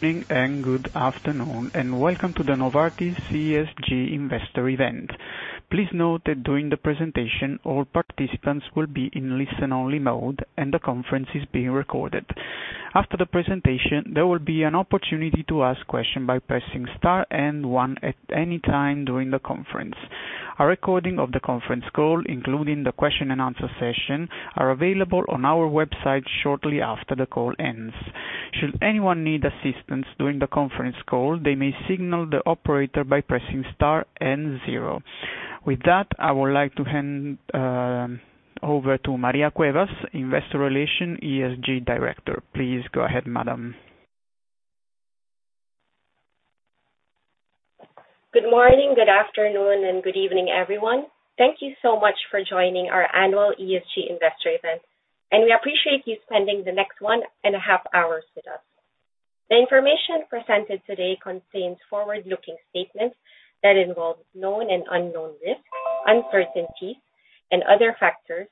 Good morning and good afternoon, welcome to the Novartis ESG Investor event. Please note that during the presentation, all participants will be in listen-only mode and the conference is being recorded. After the presentation, there will be an opportunity to ask questions by pressing star and one at any time during the conference. A recording of the conference call, including the question and answer session, are available on our website shortly after the call ends. Should anyone need assistance during the conference call, they may signal the operator by pressing star and zero. With that, I would like to hand over to Maria Cuevas, Investor Relation ESG Director. Please go ahead, madam. Good morning, good afternoon, and good evening, everyone. Thank you so much for joining our annual ESG investor event, and we appreciate you spending the next one and a half hours with us. The information presented today contains forward-looking statements that involve known and unknown risks, uncertainties, and other factors.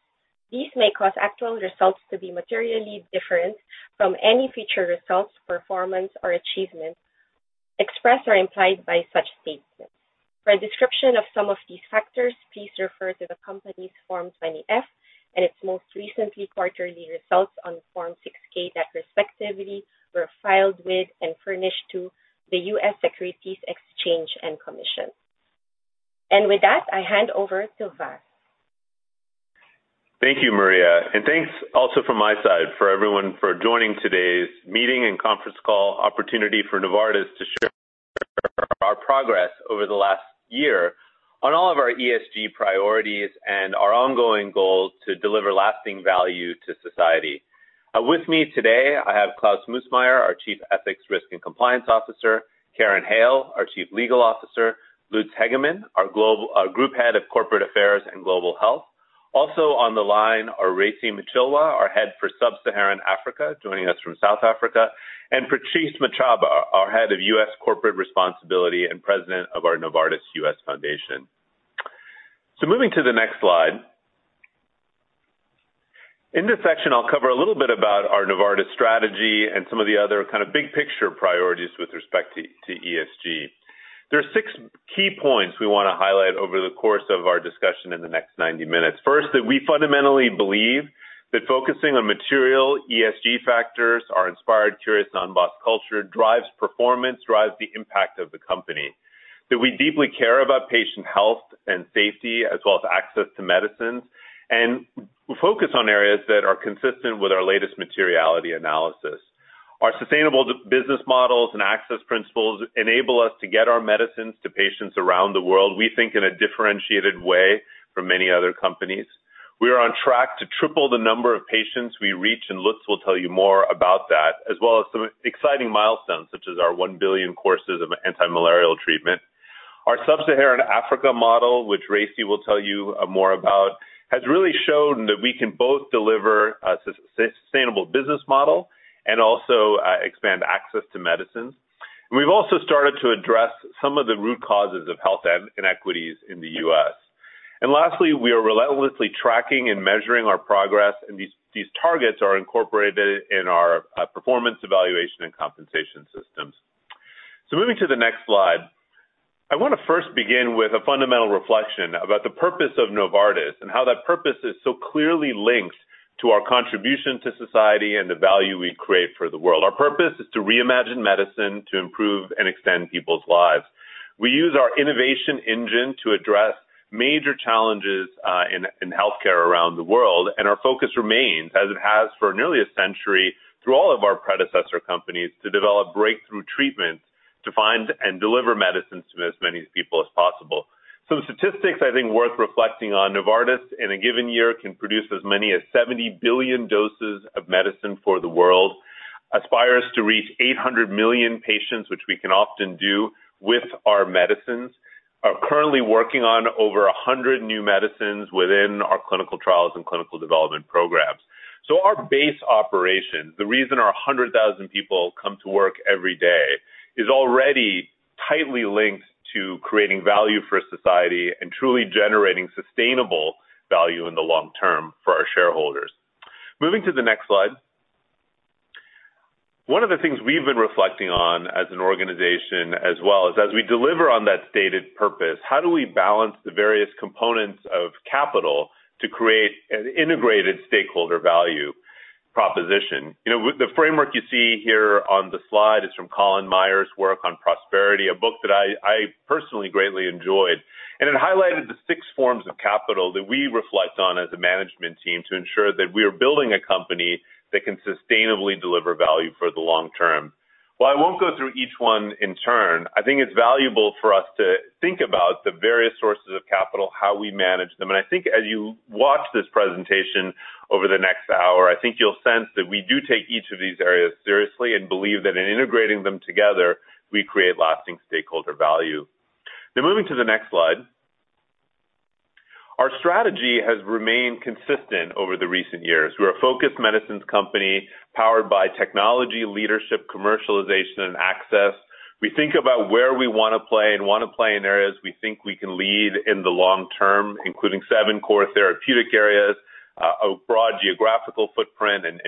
These may cause actual results to be materially different from any future results, performance, or achievements expressed or implied by such statements. For a description of some of these factors, please refer to the company's Form 20-F and its most recent quarterly results on Form 6-K that respectively were filed with and furnished to the U.S. Securities and Exchange Commission. With that, I hand over to Vas. Thank you, Maria. Thanks also from my side for everyone for joining today's meeting and conference call opportunity for Novartis to share our progress over the last year on all of our ESG priorities and our ongoing goals to deliver lasting value to society. With me today, I have Klaus Moosmayer, our Chief Ethics, Risk, and Compliance Officer, Karen Hale, our Chief Legal Officer, Lutz Hegemann, our Group Head of Corporate Affairs and Global Health. Also on the line are Racey Muchilwa, our Head for Sub-Saharan Africa, joining us from South Africa, and Patrice Matchaba, our Head of U.S. Corporate Responsibility and President of our Novartis US Foundation. Moving to the next slide. In this section, I'll cover a little bit about our Novartis strategy and some of the other kind of big-picture priorities with respect to ESG. There are six key points we want to highlight over the course of our discussion in the next 90 min. First, that we fundamentally believe that focusing on material ESG factors, our inspired, curious, Unbossed culture drives performance, drives the impact of the company. That we deeply care about patient health and safety as well as access to medicines, and we focus on areas that are consistent with our latest materiality analysis. Our sustainable business models and Novartis Access Principles enable us to get our medicines to patients around the world, we think in a differentiated way from many other companies. We are on track to triple the number of patients we reach, and Lutz will tell you more about that, as well as some exciting milestones, such as our 1 billion courses of antimalarial treatment. Our sub-Saharan Africa model, which Racey will tell you more about, has really shown that we can both deliver a sustainable business model and also expand access to medicines. We've also started to address some of the root causes of health inequities in the U.S. Lastly, we are relentlessly tracking and measuring our progress, and these targets are incorporated in our performance evaluation and compensation systems. Moving to the next slide. I want to first begin with a fundamental reflection about the purpose of Novartis and how that purpose is so clearly linked to our contribution to society and the value we create for the world. Our purpose is to reimagine medicine to improve and extend people's lives. We use our innovation engine to address major challenges in healthcare around the world. Our focus remains, as it has for nearly a century, through all of our predecessor companies, to develop breakthrough treatments to find and deliver medicines to as many people as possible. Some statistics I think worth reflecting on. Novartis, in a given year, can produce as many as 70 billion doses of medicine for the world, aspires to reach 800 million patients, which we can often do with our medicines, are currently working on over 100 new medicines within our clinical trials and clinical development programs. Our base operations, the reason our 100,000 people come to work every day, is already tightly linked to creating value for society and truly generating sustainable value in the long term for our shareholders. Moving to the next slide. One of the things we've been reflecting on as an organization as well is as we deliver on that stated purpose, how do we balance the various components of capital to create an integrated stakeholder value proposition? The framework you see here on the slide is from Colin Mayer's work on "Prosperity," a book that I personally greatly enjoyed. It highlighted the six forms of capital that we reflect on as a management team to ensure that we are building a company that can sustainably deliver value for the long term. While I won't go through each one in turn, I think it's valuable for us to think about the various sources of capital, how we manage them, and I think as you watch this presentation over the next hour, I think you'll sense that we do take each of these areas seriously and believe that in integrating them together, we create lasting stakeholder value. Now moving to the next slide. Our strategy has remained consistent over the recent years. We're a focused medicines company powered by technology, leadership, commercialization, and access. We think about where we want to play and want to play in areas we think we can lead in the long term, including seven core therapeutic areas, a broad geographical footprint and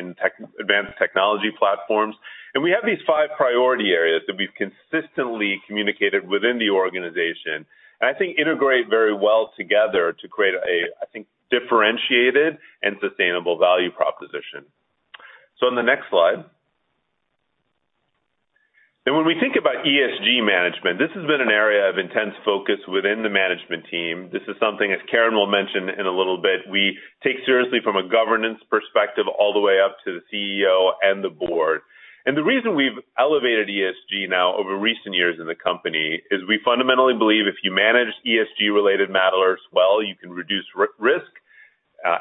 advanced technology platforms. We have these five priority areas that we've consistently communicated within the organization, and I think integrate very well together to create a, I think, differentiated and sustainable value proposition. On the next slide. When we think about ESG management, this has been an area of intense focus within the management team. This is something, as Karen Hale will mention in a little bit, we take seriously from a governance perspective all the way up to the Chief Executive Officer and the Board. The reason we've elevated ESG now over recent years in the company is we fundamentally believe if you manage ESG-related matters well, you can reduce risk,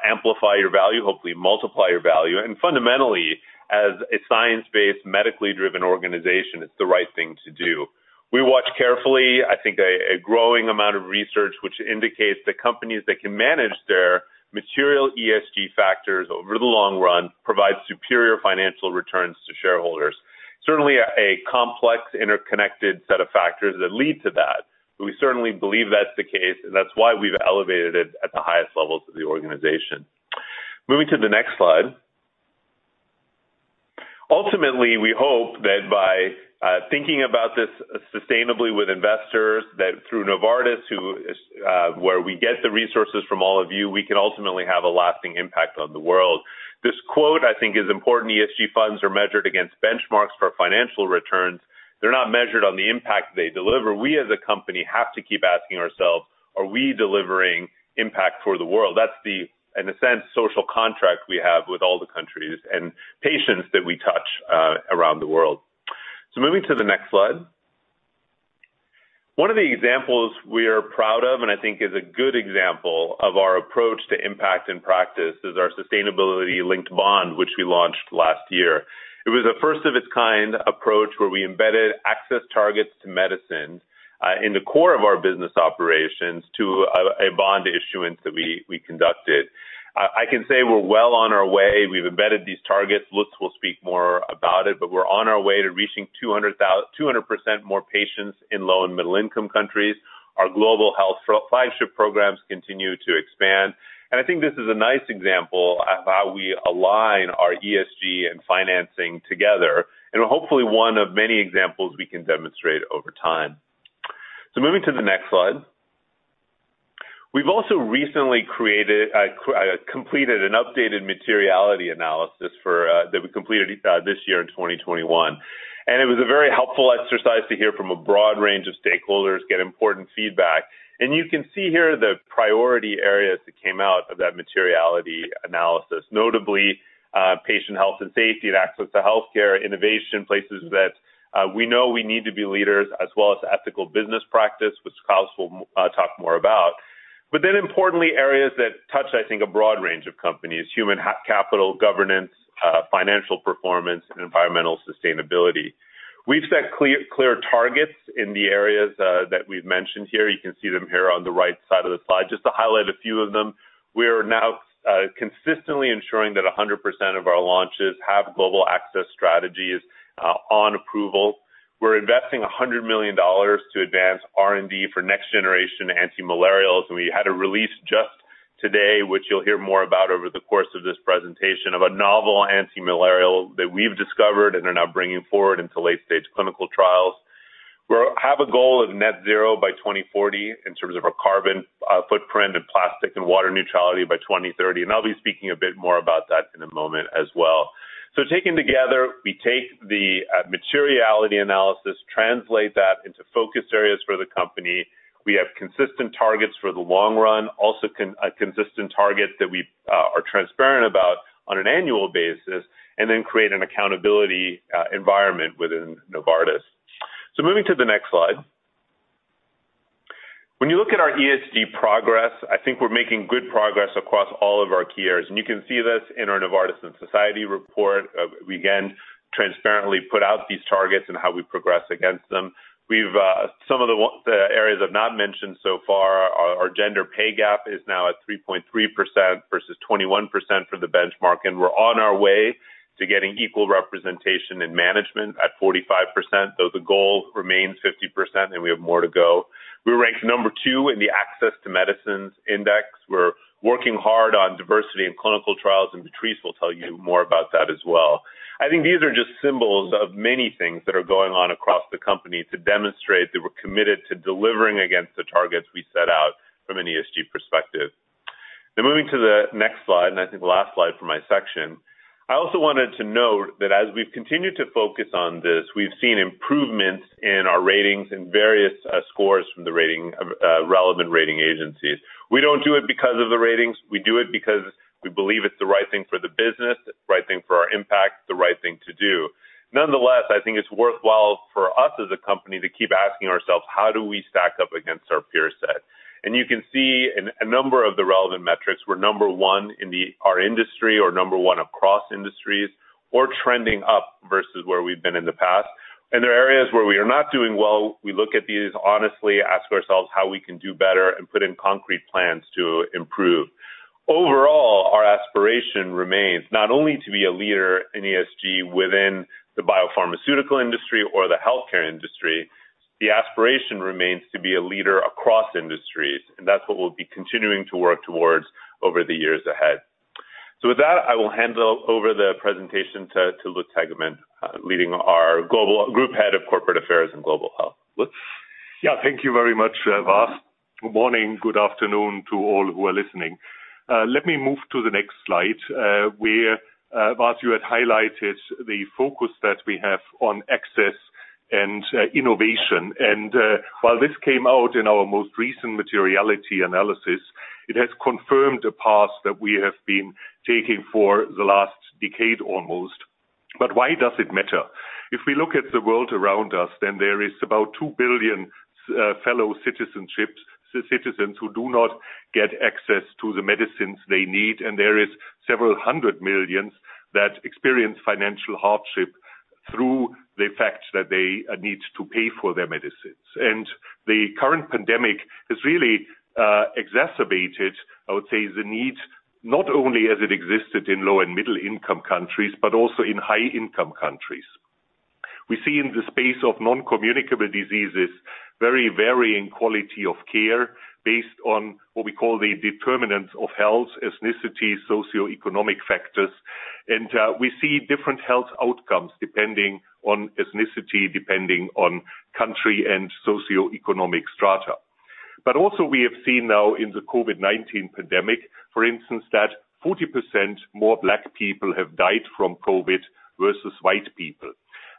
amplify your value, hopefully multiply your value. Fundamentally, as a science-based, medically driven organization, it's the right thing to do. We watch carefully, I think a growing amount of research, which indicates that companies that can manage their material ESG factors over the long run provide superior financial returns to shareholders. Certainly a complex, interconnected set of factors that lead to that. We certainly believe that's the case, and that's why we've elevated it at the highest levels of the organization. Moving to the next slide. Ultimately, we hope that by thinking about this sustainably with investors, that through Novartis, where we get the resources from all of you, we can ultimately have a lasting impact on the world. This quote, I think, is important. "ESG funds are measured against benchmarks for financial returns. They're not measured on the impact they deliver." We as a company have to keep asking ourselves, are we delivering impact for the world? That's the, in a sense, social contract we have with all the countries and patients that we touch around the world. Moving to the next slide. One of the examples we are proud of and I think is a good example of our approach to impact in practice is our sustainability-linked bond, which we launched last year. It was a first-of-its-kind approach where we embedded access targets to medicine in the core of our business operations to a bond issuance that we conducted. I can say we're well on our way. We've embedded these targets. Lutz will speak more about it, but we're on our way to reaching 200% more patients in low and middle-income countries. Our global health flagship programs continue to expand. I think this is a nice example of how we align our ESG and financing together, and hopefully 1 of many examples we can demonstrate over time. Moving to the next slide. We've also recently completed an updated materiality analysis that we completed this year in 2021, and it was a very helpful exercise to hear from a broad range of stakeholders get important feedback. You can see here the priority areas that came out of that materiality analysis, notably patient health and safety and access to healthcare innovation places that we know we need to be leaders as well as ethical business practice, which Klaus will talk more about. Importantly, areas that touch, I think, a broad range of companies, human capital, governance, financial performance, and environmental sustainability. We've set clear targets in the areas that we've mentioned here. You can see them here on the right side of the slide. Just to highlight a few of them, we are now consistently ensuring that 100% of our launches have global access strategies on approval. We're investing $100 million to advance R&D for next-generation antimalarials, and we had a release just today, which you'll hear more about over the course of this presentation, of a novel antimalarial that we've discovered and are now bringing forward into late-stage clinical trials. We have a goal of net zero by 2040 in terms of our carbon footprint and plastic and water neutrality by 2030, and I'll be speaking a bit more about that in a moment as well. Taken together, we take the materiality analysis, translate that into focus areas for the company. We have consistent targets for the long run, also consistent targets that we are transparent about on an annual basis, then create an accountability environment within Novartis. Moving to the next slide. When you look at our ESG progress, I think we're making good progress across all of our key areas. You can see this in our Novartis in Society report. We again transparently put out these targets and how we progress against them. Some of the areas I've not mentioned so far are our gender pay gap is now at 3.3% versus 21% for the benchmark, and we're on our way to getting equal representation in management at 45%, though the goal remains 50% and we have more to go. We rank number 2 in the Access to Medicine Index. We're working hard on diversity in clinical trials, and Patrice will tell you more about that as well. I think these are just symbols of many things that are going on across the company to demonstrate that we're committed to delivering against the targets we set out from an ESG perspective. Moving to the next slide, and I think the last slide for my section. I also wanted to note that as we've continued to focus on this, we've seen improvements in our ratings and various scores from the relevant rating agencies. We don't do it because of the ratings. We do it because we believe it's the right thing for the business, the right thing for our impact, the right thing to do. Nonetheless, I think it's worthwhile for us as a company to keep asking ourselves, how do we stack up against our peer set? You can see in a number of the relevant metrics, we're number 1 in our industry or number 1 across industries or trending up versus where we've been in the past. There are areas where we are not doing well. We look at these honestly, ask ourselves how we can do better, and put in concrete plans to improve. Overall, aspiration remains not only to be a leader in ESG within the biopharmaceutical industry or the healthcare industry, the aspiration remains to be a leader across industries, and that's what we'll be continuing to work towards over the years ahead. With that, I will hand over the presentation to Lutz Hegemann, Group Head of Corporate Affairs and Global Health. Lutz? Yeah. Thank you very much, Vas. Good morning. Good afternoon to all who are listening. Let me move to the next slide, where, Vas, you had highlighted the focus that we have on access and innovation. While this came out in our most recent materiality analysis, it has confirmed a path that we have been taking for the last decade almost. Why does it matter? If we look at the world around us, then there is about 2 billion fellow citizens who do not get access to the medicines they need, and there is several hundred millions that experience financial hardship through the fact that they need to pay for their medicines. The current pandemic has really exacerbated, I would say, the need, not only as it existed in low- and middle-income countries, but also in high-income countries. We see in the space of non-communicable diseases very varying quality of care based on what we call the determinants of health, ethnicity, socioeconomic factors. We see different health outcomes depending on ethnicity, depending on country and socioeconomic strata. We have seen now in the COVID-19 pandemic, for instance, that 40% more Black people have died from COVID versus white people.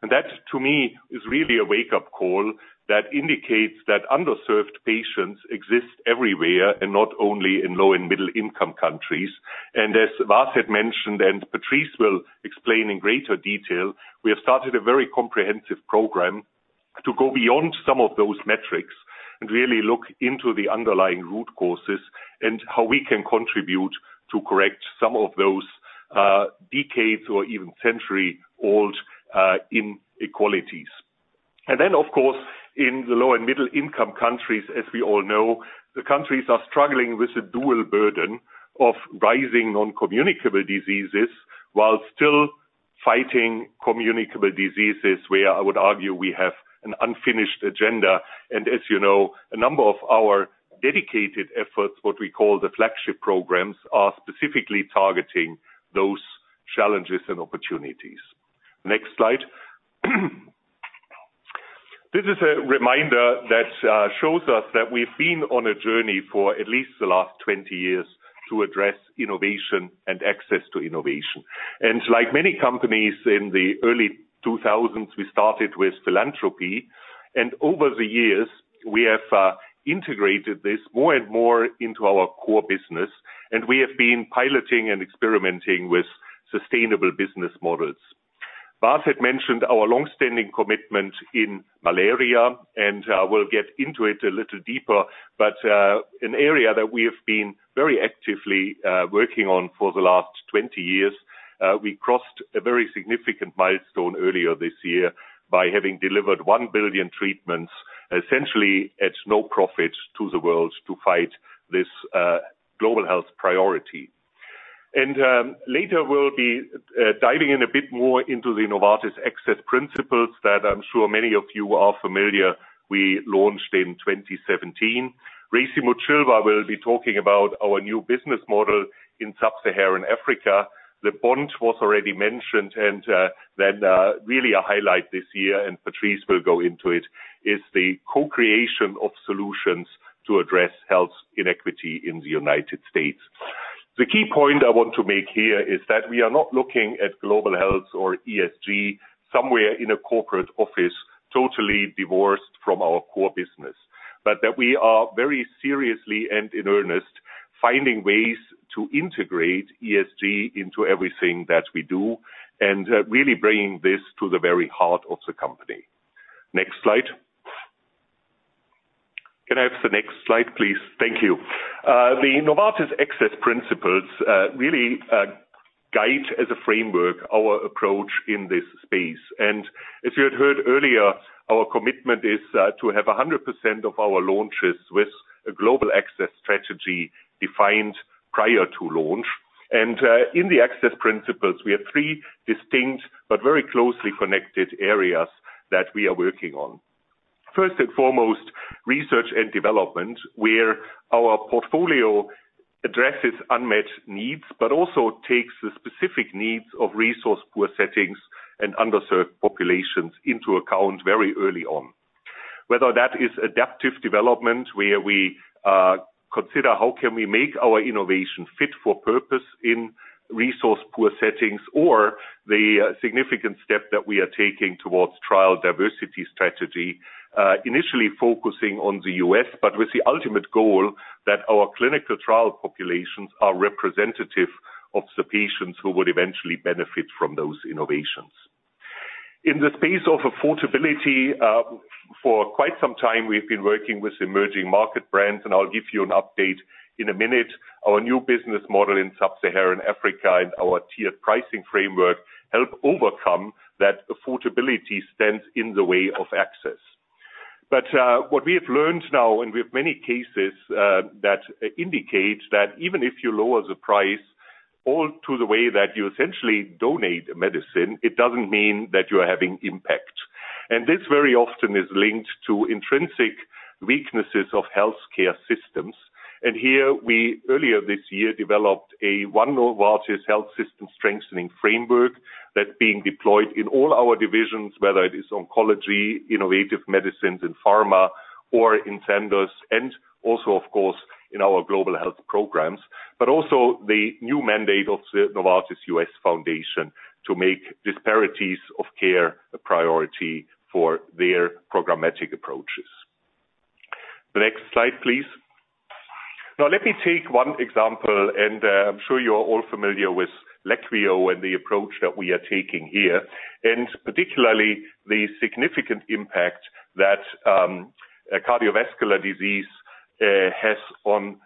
That, to me, is really a wake-up call that indicates that underserved patients exist everywhere, not only in low and middle-income countries. As Vas had mentioned and Patrice will explain in greater detail, we have started a very comprehensive program to go beyond some of those metrics and really look into the underlying root causes and how we can contribute to correct some of those decades or even century-old inequalities. Then, of course, in the low and middle-income countries, as we all know, the countries are struggling with the dual burden of rising non-communicable diseases while still fighting communicable diseases, where I would argue we have an unfinished agenda. As you know, a number of our dedicated efforts, what we call the flagship programs, are specifically targeting those challenges and opportunities. Next slide. This is a reminder that shows us that we've been on a journey for at least the last 20 years to address innovation and access to innovation. Like many companies in the early 2000s, we started with philanthropy, and over the years, we have integrated this more and more into our core business, and we have been piloting and experimenting with sustainable business models. Vas had mentioned our longstanding commitment in malaria, and we'll get into it a little deeper, but an area that we have been very actively working on for the last 20 years. We crossed a very significant milestone earlier this year by having delivered 1 billion treatments, essentially at no profit to the world to fight this global health priority. Later we'll be diving in a bit more into the Novartis Access Principles that I'm sure many of you are familiar, we launched in 2017. Racey Muchilwa will be talking about our new business model in sub-Saharan Africa. The bond was already mentioned, and then really a highlight this year, and Patrice will go into it, is the co-creation of solutions to address health inequity in the United States. The key point I want to make here is that we are not looking at global health or ESG somewhere in a corporate office, totally divorced from our core business, but that we are very seriously and in earnest finding ways to integrate ESG into everything that we do, and really bringing this to the very heart of the company. Next slide. Can I have the next slide, please? Thank you. The Novartis Access Principles really guide as a framework our approach in this space. As you had heard earlier, our commitment is to have 100% of our launches with a global access strategy defined prior to launch. In the access principles, we have 3 distinct but very closely connected areas that we are working on. First and foremost, research and development, where our portfolio addresses unmet needs, but also takes the specific needs of resource-poor settings and underserved populations into account very early on. Whether that is adaptive development, where we consider how can we make our innovation fit for purpose in resource-poor settings, or the significant step that we are taking towards trial diversity strategy, initially focusing on the U.S., but with the ultimate goal that our clinical trial populations are representative of the patients who would eventually benefit from those innovations. In the space of affordability, for quite some time, we've been working with emerging market brands, and I'll give you an update in a minute. Our new business model in sub-Saharan Africa and our tiered pricing framework help overcome that affordability stands in the way of access. What we have learned now, and we have many cases that indicate that even if you lower the price all to the way that you essentially donate a medicine, it doesn't mean that you're having impact. This very often is linked to intrinsic weaknesses of healthcare systems. Here, we earlier this year, developed a One Novartis Health System Strengthening Framework that's being deployed in all our divisions, whether it is oncology, innovative medicines in pharma or in Sandoz, and also, of course, in our global health programs. Also the new mandate of the Novartis US Foundation to make disparities of care a priority for their programmatic approaches. Next slide, please. Now, let me take one example, and I'm sure you're all familiar with Leqvio and the approach that we are taking here, and particularly the significant impact that cardiovascular disease has on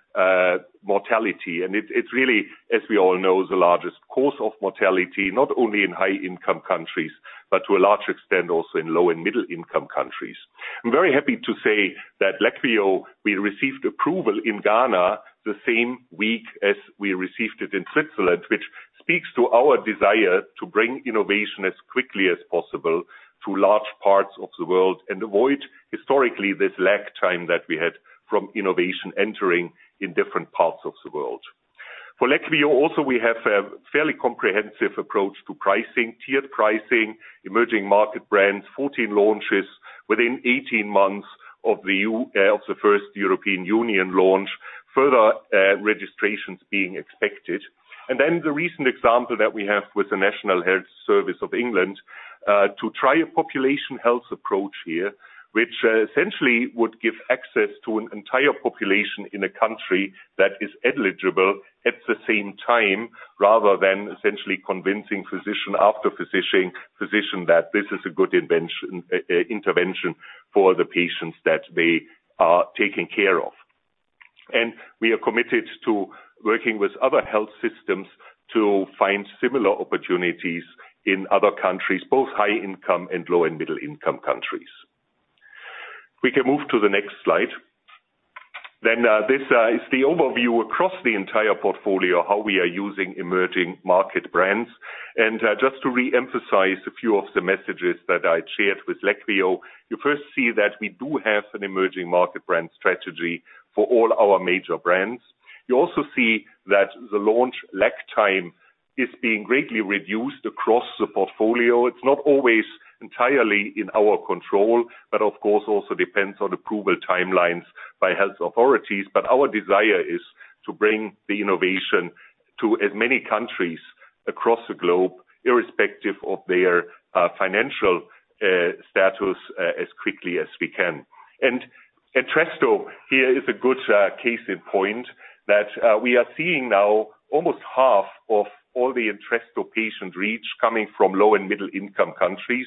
mortality. It's really, as we all know, the largest cause of mortality, not only in high-income countries, but to a large extent, also in low and middle-income countries. I'm very happy to say that Leqvio, we received approval in Ghana the same week as we received it in Switzerland, which speaks to our desire to bring innovation as quickly as possible to large parts of the world and avoid historically this lag time that we had from innovation entering in different parts of the world. For Leqvio also, we have a fairly comprehensive approach to pricing, tiered pricing, emerging market brands, 14 launches within 18 months of the first European Union launch. Further registrations being expected. The recent example that we have with the National Health Service of England, to try a population health approach here, which essentially would give access to an entire population in a country that is eligible at the same time, rather than essentially convincing physician after physician, that this is a good intervention for the patients that they are taking care of. We are committed to working with other health systems to find similar opportunities in other countries, both high-income and low and middle-income countries. We can move to the next slide. This is the overview across the entire portfolio, how we are using emerging market brands. Just to re-emphasize a few of the messages that I shared with Leqvio, you first see that we do have an emerging market brand strategy for all our major brands. You also see that the launch lag time is being greatly reduced across the portfolio. It's not always entirely in our control, but of course, also depends on approval timelines by health authorities. Our desire is to bring the innovation to as many countries across the globe, irrespective of their financial status, as quickly as we can. Entresto here is a good case in point that we are seeing now almost half of all the Entresto patient reach coming from low and middle-income countries.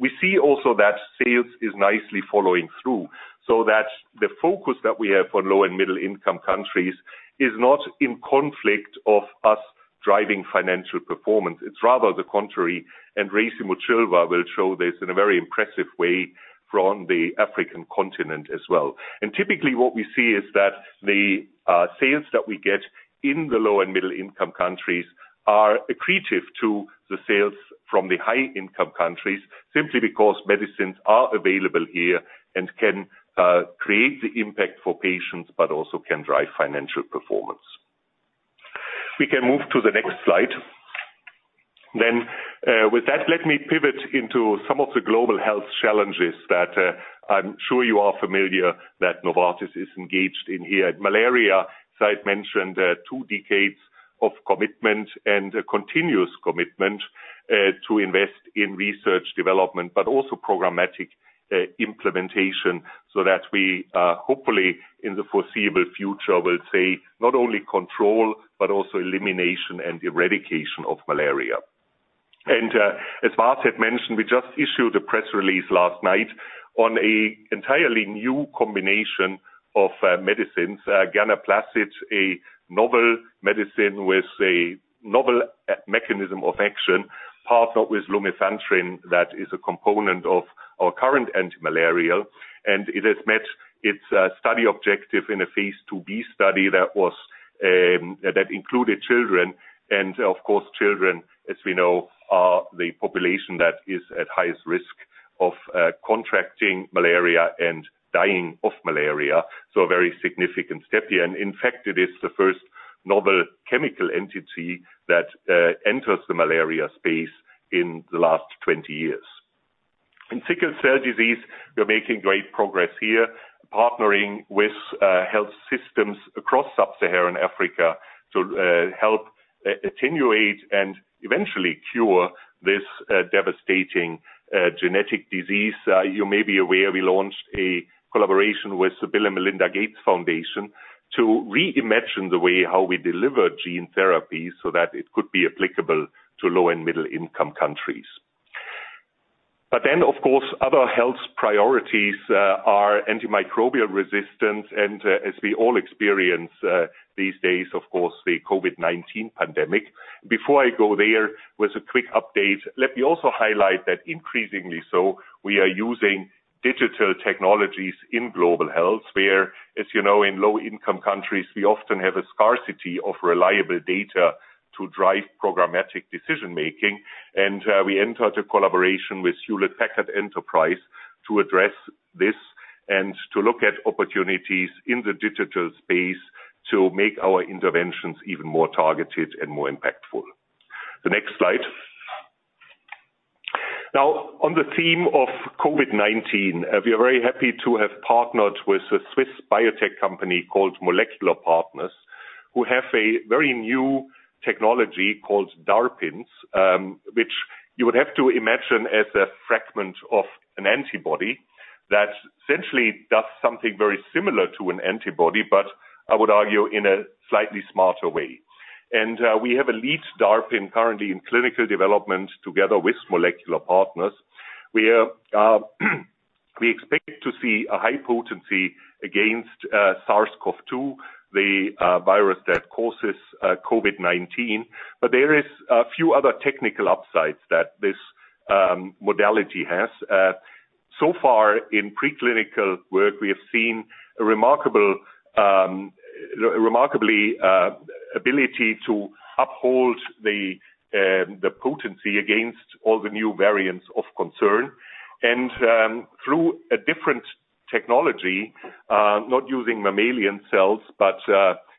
We see also that sales is nicely following through, so that the focus that we have for low and middle-income countries is not in conflict of us driving financial performance. It's rather the contrary. Racey Muchilwa will show this in a very impressive way from the African continent as well. Typically, what we see is that the sales that we get in the low and middle-income countries are accretive to the sales from the high-income countries simply because medicines are available here and can create the impact for patients, but also can drive financial performance. We can move to the next slide. With that, let me pivot into some of the global health challenges that I am sure you are familiar that Novartis is engaged in here. Malaria, as I mentioned, two decades of commitment and a continuous commitment to invest in research development, but also programmatic implementation so that we hopefully in the foreseeable future will see not only control, but also elimination and eradication of malaria. As Vas had mentioned, we just issued a press release last night on an entirely new combination of medicines. Ganaplacide, a novel medicine with a novel mechanism of action, partnered with lumefantrine, that is a component of our current anti-malarial, and it has met its study objective in a phase II-B study that included children. Of course, children, as we know, are the population that is at highest risk of contracting malaria and dying of malaria. A very significant step here. In fact, it is the first novel chemical entity that enters the malaria space in the last 20 years. In sickle cell disease, we're making great progress here, partnering with health systems across sub-Saharan Africa to help attenuate and eventually cure this devastating genetic disease. You may be aware, we launched a collaboration with the Bill & Melinda Gates Foundation to reimagine the way how we deliver gene therapy so that it could be applicable to low and middle-income countries. Of course, other health priorities are antimicrobial resistance and, as we all experience these days, of course, the COVID-19 pandemic. Before I go there with a quick update, let me also highlight that increasingly so, we are using digital technologies in global health where, as you know, in low-income countries, we often have a scarcity of reliable data to drive programmatic decision-making. We entered a collaboration with Hewlett Packard Enterprise to address this and to look at opportunities in the digital space to make our interventions even more targeted and more impactful. The next slide. On the theme of COVID-19, we are very happy to have partnered with a Swiss biotech company called Molecular Partners, who have a very new technology called DARPins which you would have to imagine as a fragment of an antibody that essentially does something very similar to an antibody, but I would argue in a slightly smarter way. We have a lead DARPin currently in clinical development together with Molecular Partners, where we expect to see a high potency against SARS-CoV-2, the virus that causes COVID-19. There is a few other technical upsides that this modality has. In preclinical work, we have seen remarkably ability to uphold the potency against all the new variants of concern and through a different technology, not using mammalian cells, but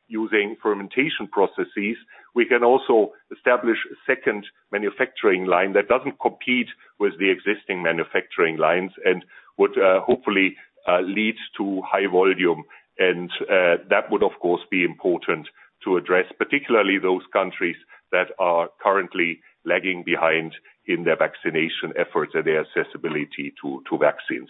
using fermentation processes. We can also establish a second manufacturing line that doesn't compete with the existing manufacturing lines and would hopefully lead to high volume. That would, of course, be important to address, particularly those countries that are currently lagging behind in their vaccination efforts and their accessibility to vaccines.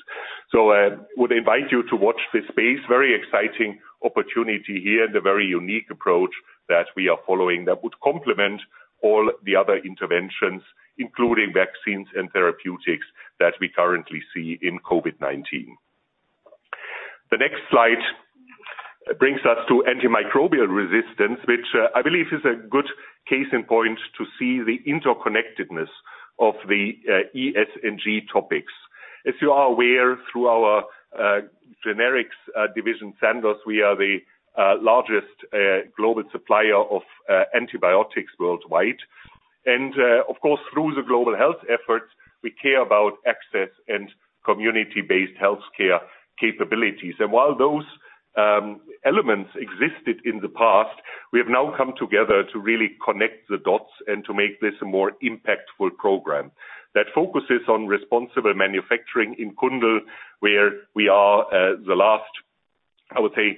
I would invite you to watch this space. Very exciting opportunity here and a very unique approach that we are following that would complement all the other interventions, including vaccines and therapeutics that we currently see in COVID-19. The next slide brings us to antimicrobial resistance, which I believe is a good case in point to see the interconnectedness of the ESG topics. As you are aware, through our generics division, Sandoz, we are the largest global supplier of antibiotics worldwide. Of course, through the global health efforts, we care about access and community-based healthcare capabilities. While those elements existed in the past, we have now come together to really connect the dots and to make this a more impactful program that focuses on responsible manufacturing in Kundl, where we are the last, I would say,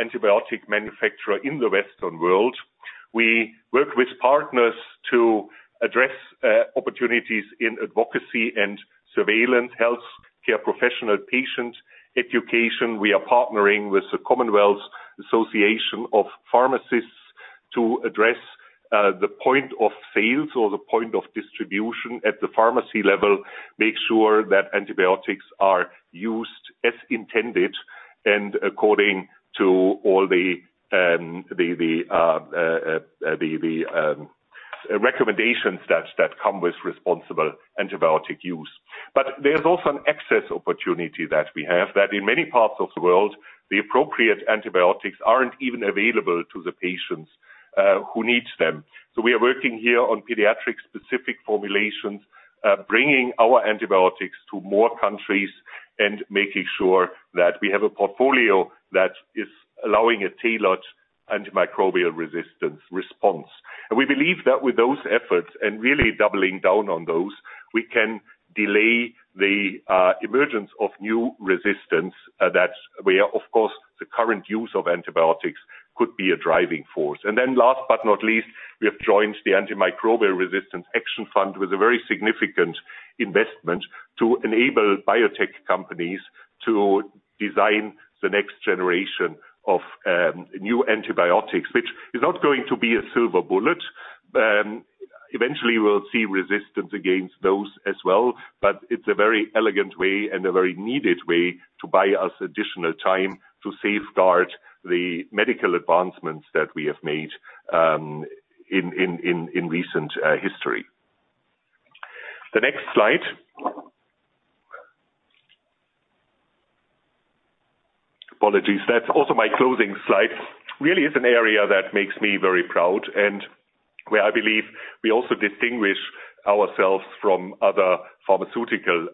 antibiotic manufacturer in the Western world. We work with partners to address opportunities in advocacy and surveillance, healthcare professional patient education. We are partnering with the Commonwealth Pharmacists Association to address the point of sales or the point of distribution at the pharmacy level, make sure that antibiotics are used as intended and according to all the recommendations that come with responsible antibiotic use. There's also an access opportunity that we have that in many parts of the world, the appropriate antibiotics aren't even available to the patients who need them. We are working here on pediatric-specific formulations, bringing our antibiotics to more countries and making sure that we have a portfolio that is allowing a tailored antimicrobial resistance response. We believe that with those efforts, and really doubling down on those, we can delay the emergence of new resistance, that way, of course, the current use of antibiotics could be a driving force. Last but not least, we have joined the AMR Action Fund with a very significant investment to enable biotech companies to design the next generation of new antibiotics, which is not going to be a silver bullet. We'll see resistance against those as well, but it's a very elegant way and a very needed way to buy us additional time to safeguard the medical advancements that we have made in recent history. The next slide. Apologies. That's also my closing slide. Really is an area that makes me very proud and where I believe we also distinguish ourselves from other pharmaceutical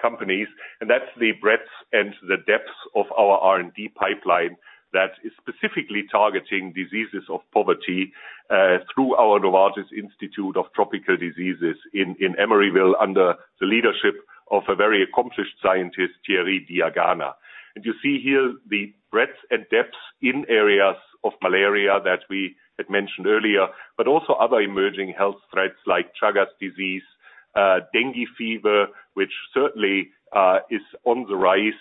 companies. That's the breadth and the depth of our R&D pipeline that is specifically targeting diseases of poverty through our Novartis Institute for Tropical Diseases in Emeryville under the leadership of a very accomplished scientist, Thierry Diagana. You see here the breadth and depth in areas of malaria that we had mentioned earlier, but also other emerging health threats like Chagas disease, dengue fever, which certainly is on the rise.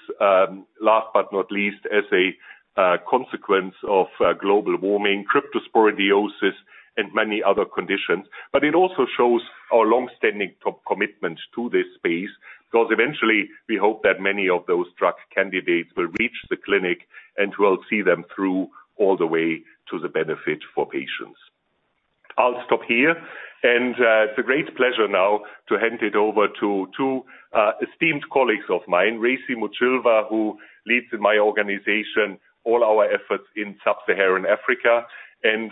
Last but not least, as a consequence of global warming, cryptosporidiosis, and many other conditions. It also shows our longstanding commitment to this space because eventually we hope that many of those drug candidates will reach the clinic, and we'll see them through all the way to the benefit for patients. I'll stop here. It's a great pleasure now to hand it over to two esteemed colleagues of mine, Racey Muchilwa, who leads in my organization all our efforts in sub-Saharan Africa, and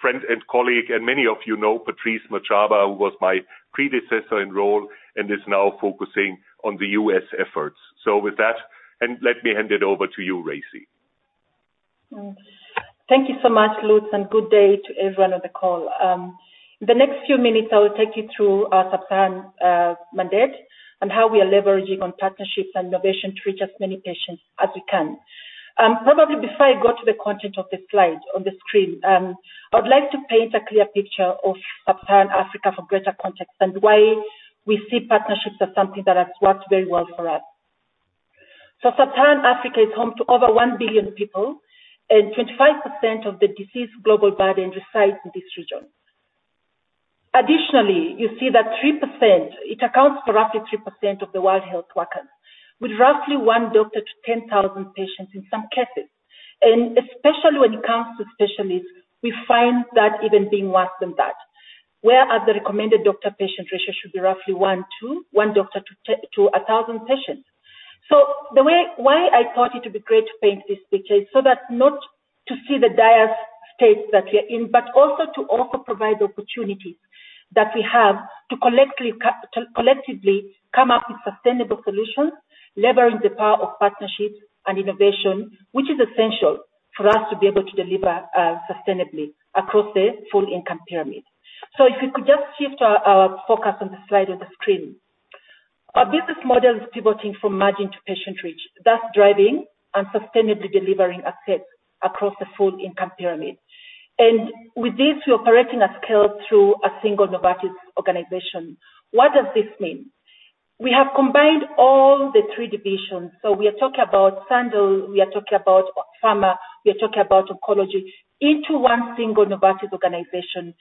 friend and colleague, and many of you know Patrice Matchaba, who was my predecessor in role and is now focusing on the U.S. efforts. With that, let me hand it over to you, Racey. Thank you so much, Lutz, and good day to everyone on the call. In the next few minutes, I will take you through our sub-Saharan mandate and how we are leveraging on partnerships and innovation to reach as many patients as we can. Probably before I go to the content of the slide on the screen, I would like to paint a clear picture of sub-Saharan Africa for greater context and why we see partnerships as something that has worked very well for us. Sub-Saharan Africa is home to over 1 billion people, and 25% of the disease global burden resides in this region. Additionally, you see that 3%, it accounts for roughly 3% of the world health workers, with roughly one doctor to 10,000 patients in some cases. Especially when it comes to specialists, we find that even being worse than that, where the recommended doctor-patient ratio should be roughly one to one doctor to 1,000 patients. Why I thought it would be great to paint this picture is so that not to see the dire state that we are in, but also to also provide opportunities that we have to collectively come up with sustainable solutions, leveraging the power of partnerships and innovation, which is essential for us to be able to deliver sustainably across the full income pyramid. If you could just shift our focus on the slide on the screen. Our business model is pivoting from margin to patient reach, thus driving and sustainably delivering access across the full income pyramid. With this, we're operating at scale through a single Novartis organization. What does this mean? We have combined all the three divisions. We are talking about Sandoz, we are talking about Pharma, we are talking about Oncology into one single Novartis organization,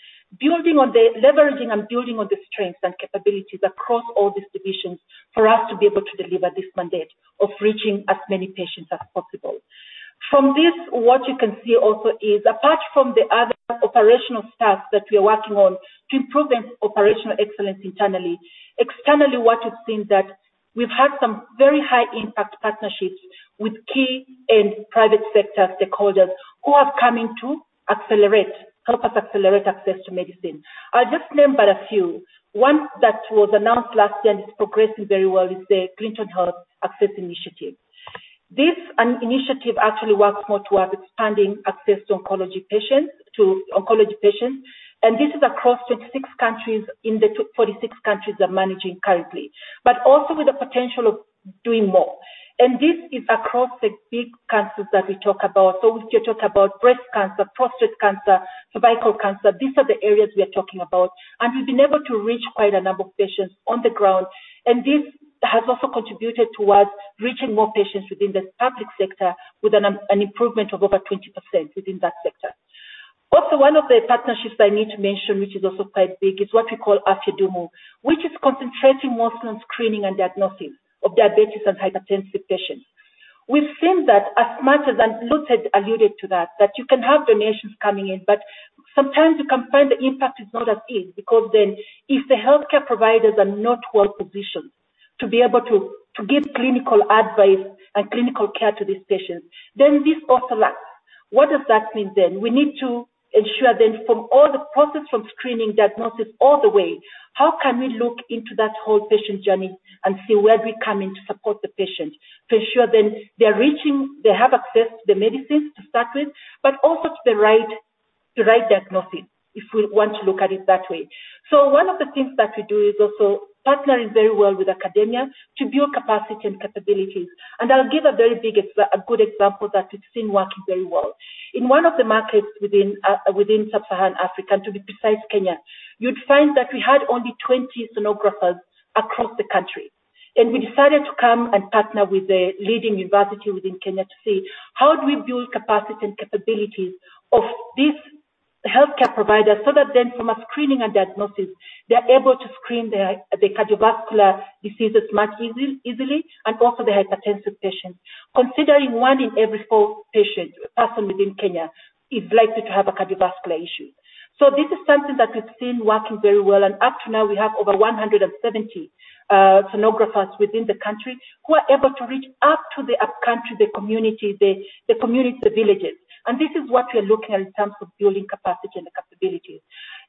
leveraging and building on the strengths and capabilities across all these divisions for us to be able to deliver this mandate of reaching as many patients as possible. From this, what you can see also is apart from the other operational tasks that we are working on to improve operational excellence internally, externally, what you've seen that we've had some very high-impact partnerships with key and private sector stakeholders who have come in to help us accelerate access to medicine. I'll just name but a few. One that was announced last year and is progressing very well is the Clinton Health Access Initiative. This initiative actually works more towards expanding access to oncology patients. This is across 26 countries in the 46 countries we are managing currently, but also with the potential of doing more. This is across the big cancers that we talk about. We still talk about breast cancer, prostate cancer, cervical cancer. These are the areas we are talking about. We've been able to reach quite a number of patients on the ground. This has also contributed towards reaching more patients within the public sector with an improvement of over 20% within that sector. Also, one of the partnerships I need to mention, which is also quite big, is what we call Afya Dumu, which is concentrating more on screening and diagnosis of diabetes and hypertensive patients. We've seen that as much as, and Lutz had alluded to that you can have donations coming in, but sometimes you can find the impact is not as is because then if the healthcare providers are not well-positioned to be able to give clinical advice and clinical care to these patients, then this also lacks. What does that mean then? We need to ensure then from all the process, from screening, diagnosis, all the way, how can we look into that whole patient journey and see where we come in to support the patient to ensure then they have access to the medicines to start with, but also to the right diagnosis, if we want to look at it that way. One of the things that we do is also partnering very well with academia to build capacity and capabilities. I'll give a very good example that we've seen working very well. In one of the markets within Sub-Saharan Africa, to be precise Kenya, you'd find that we had only 20 sonographers across the country. We decided to come and partner with a leading university within Kenya to say, "How do we build capacity and capabilities of these healthcare providers so that then from a screening and diagnosis, they're able to screen the cardiovascular diseases much easily, and also the hypertensive patients?" Considering 1 in every 4 patients, person within Kenya is likely to have a cardiovascular issue. This is something that we've seen working very well. Up to now, we have over 170 sonographers within the country who are able to reach up to the upcountry, the community, the villages. This is what we are looking at in terms of building capacity and the capabilities.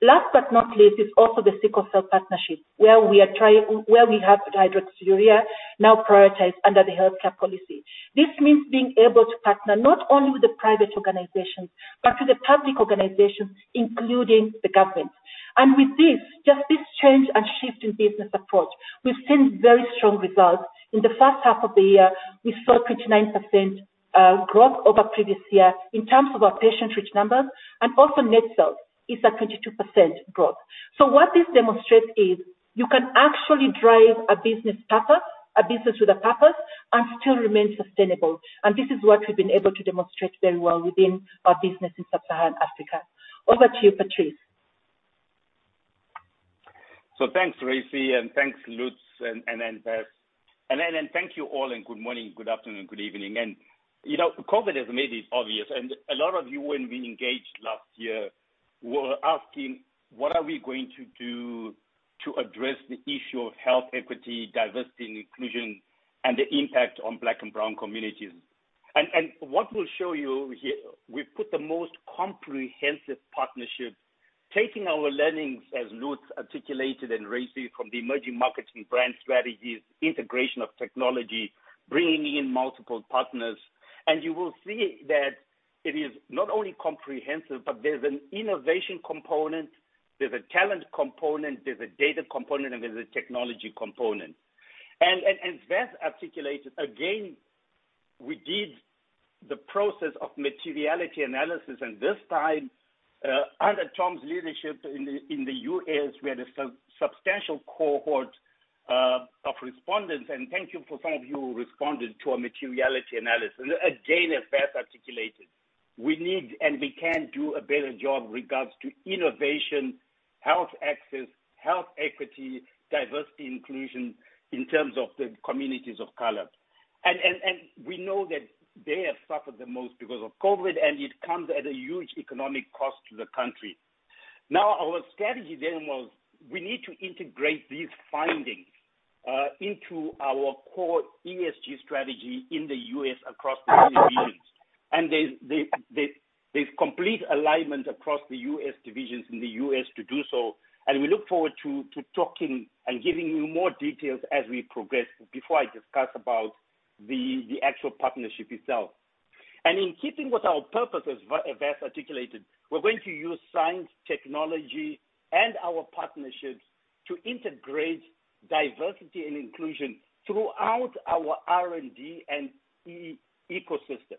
Last but not least is also the sickle cell partnership, where we have hydroxyurea now prioritized under the healthcare policy. This means being able to partner not only with the private organizations, but with the public organizations, including the government. With this, just this change and shift in business approach, we've seen very strong results. In the first half of the year, we saw 29% growth over previous year in terms of our patient reach numbers, and also net sales is at 22% growth. What this demonstrates is you can actually drive a business purpose, a business with a purpose, and still remain sustainable. This is what we've been able to demonstrate very well within our business in Sub-Saharan Africa. Over to you, Patrice. Thanks, Racey, and thanks, Lutz, and then Vas. Then thank you all, and good morning, good afternoon, good evening. COVID has made this obvious, and a lot of you who have been engaged last year were asking, what are we going to do to address the issue of health equity, diversity, and inclusion, and the impact on Black and brown communities? What we'll show you here, we've put the most comprehensive partnership, taking our learnings, as Lutz articulated, and Racey from the emerging markets and brand strategies, integration of technology, bringing in multiple partners. You will see that it is not only comprehensive, but there's an innovation component, there's a talent component, there's a data component, and there's a technology component. As Vas articulated, again, we did the process of materiality analysis, and this time, under Tom's leadership in the U.S., we had a substantial cohort of respondents. Thank you for some of you who responded to our materiality analysis. Again, as Vas articulated, we need and we can do a better job in regards to innovation, health access, health equity, diversity inclusion in terms of the communities of color. We know that they have suffered the most because of COVID, and it comes at a huge economic cost to the country. Our strategy then was, we need to integrate these findings into our core ESG strategy in the U.S. across the key divisions. There's complete alignment across the U.S. divisions in the U.S. to do so. We look forward to talking and giving you more details as we progress before I discuss about the actual partnership itself. In keeping with our purpose, as Vas articulated, we're going to use science, technology, and our partnerships to integrate diversity and inclusion throughout our R&D and ecosystem.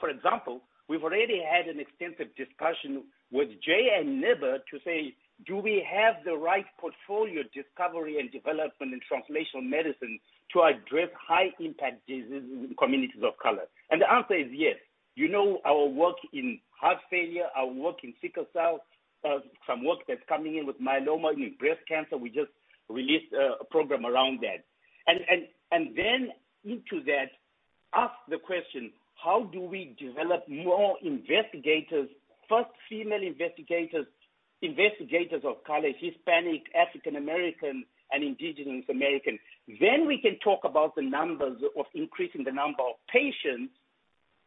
For example, we've already had an extensive discussion with Jay and Nibba to say, do we have the right portfolio discovery and development in translational medicine to address high impact diseases in communities of color? The answer is yes. You know our work in heart failure, our work in sickle cell, some work that's coming in with myeloma, in breast cancer. We just released a program around that. Into that, ask the question, how do we develop more investigators, first female investigators of color, Hispanic, African American, and Indigenous American? We can talk about the numbers of increasing the number of patients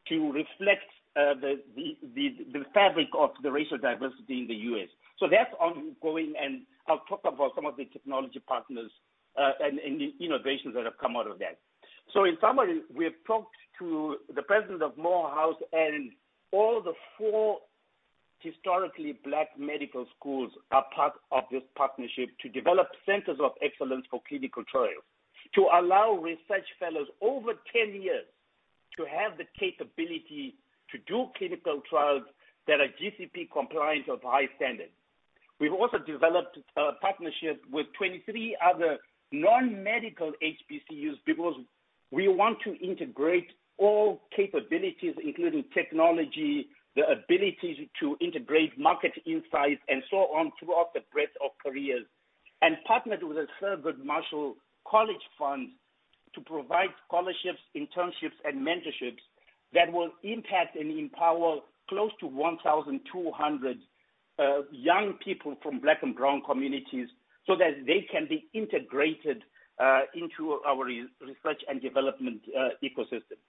to reflect the fabric of the racial diversity in the U.S. That's ongoing, and I'll talk about some of the technology partners, and the innovations that have come out of that. In summary, we have talked to the president of Morehouse and all the four historically Black medical schools are part of this partnership to develop centers of excellence for clinical trials, to allow research fellows over 10 years to have the capability to do clinical trials that are GCP compliant of high standard. We've also developed a partnership with 23 other non-medical HBCUs because we want to integrate all capabilities, including technology, the ability to integrate market insights, and so on throughout the breadth of careers. Partnered with the Thurgood Marshall College Fund to provide scholarships, internships, and mentorships that will impact and empower close to 1,200 young people from Black and brown communities so that they can be integrated into our re-research and development ecosystem.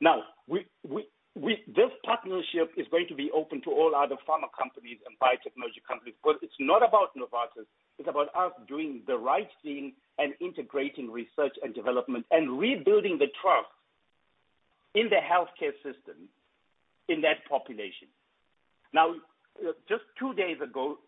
Now, this partnership is going to be open to all other pharma companies and biotechnology companies because it's not about Novartis. It's about us doing the right thing and integrating research and development and rebuilding the trust in the healthcare system in that population. Just two days ago,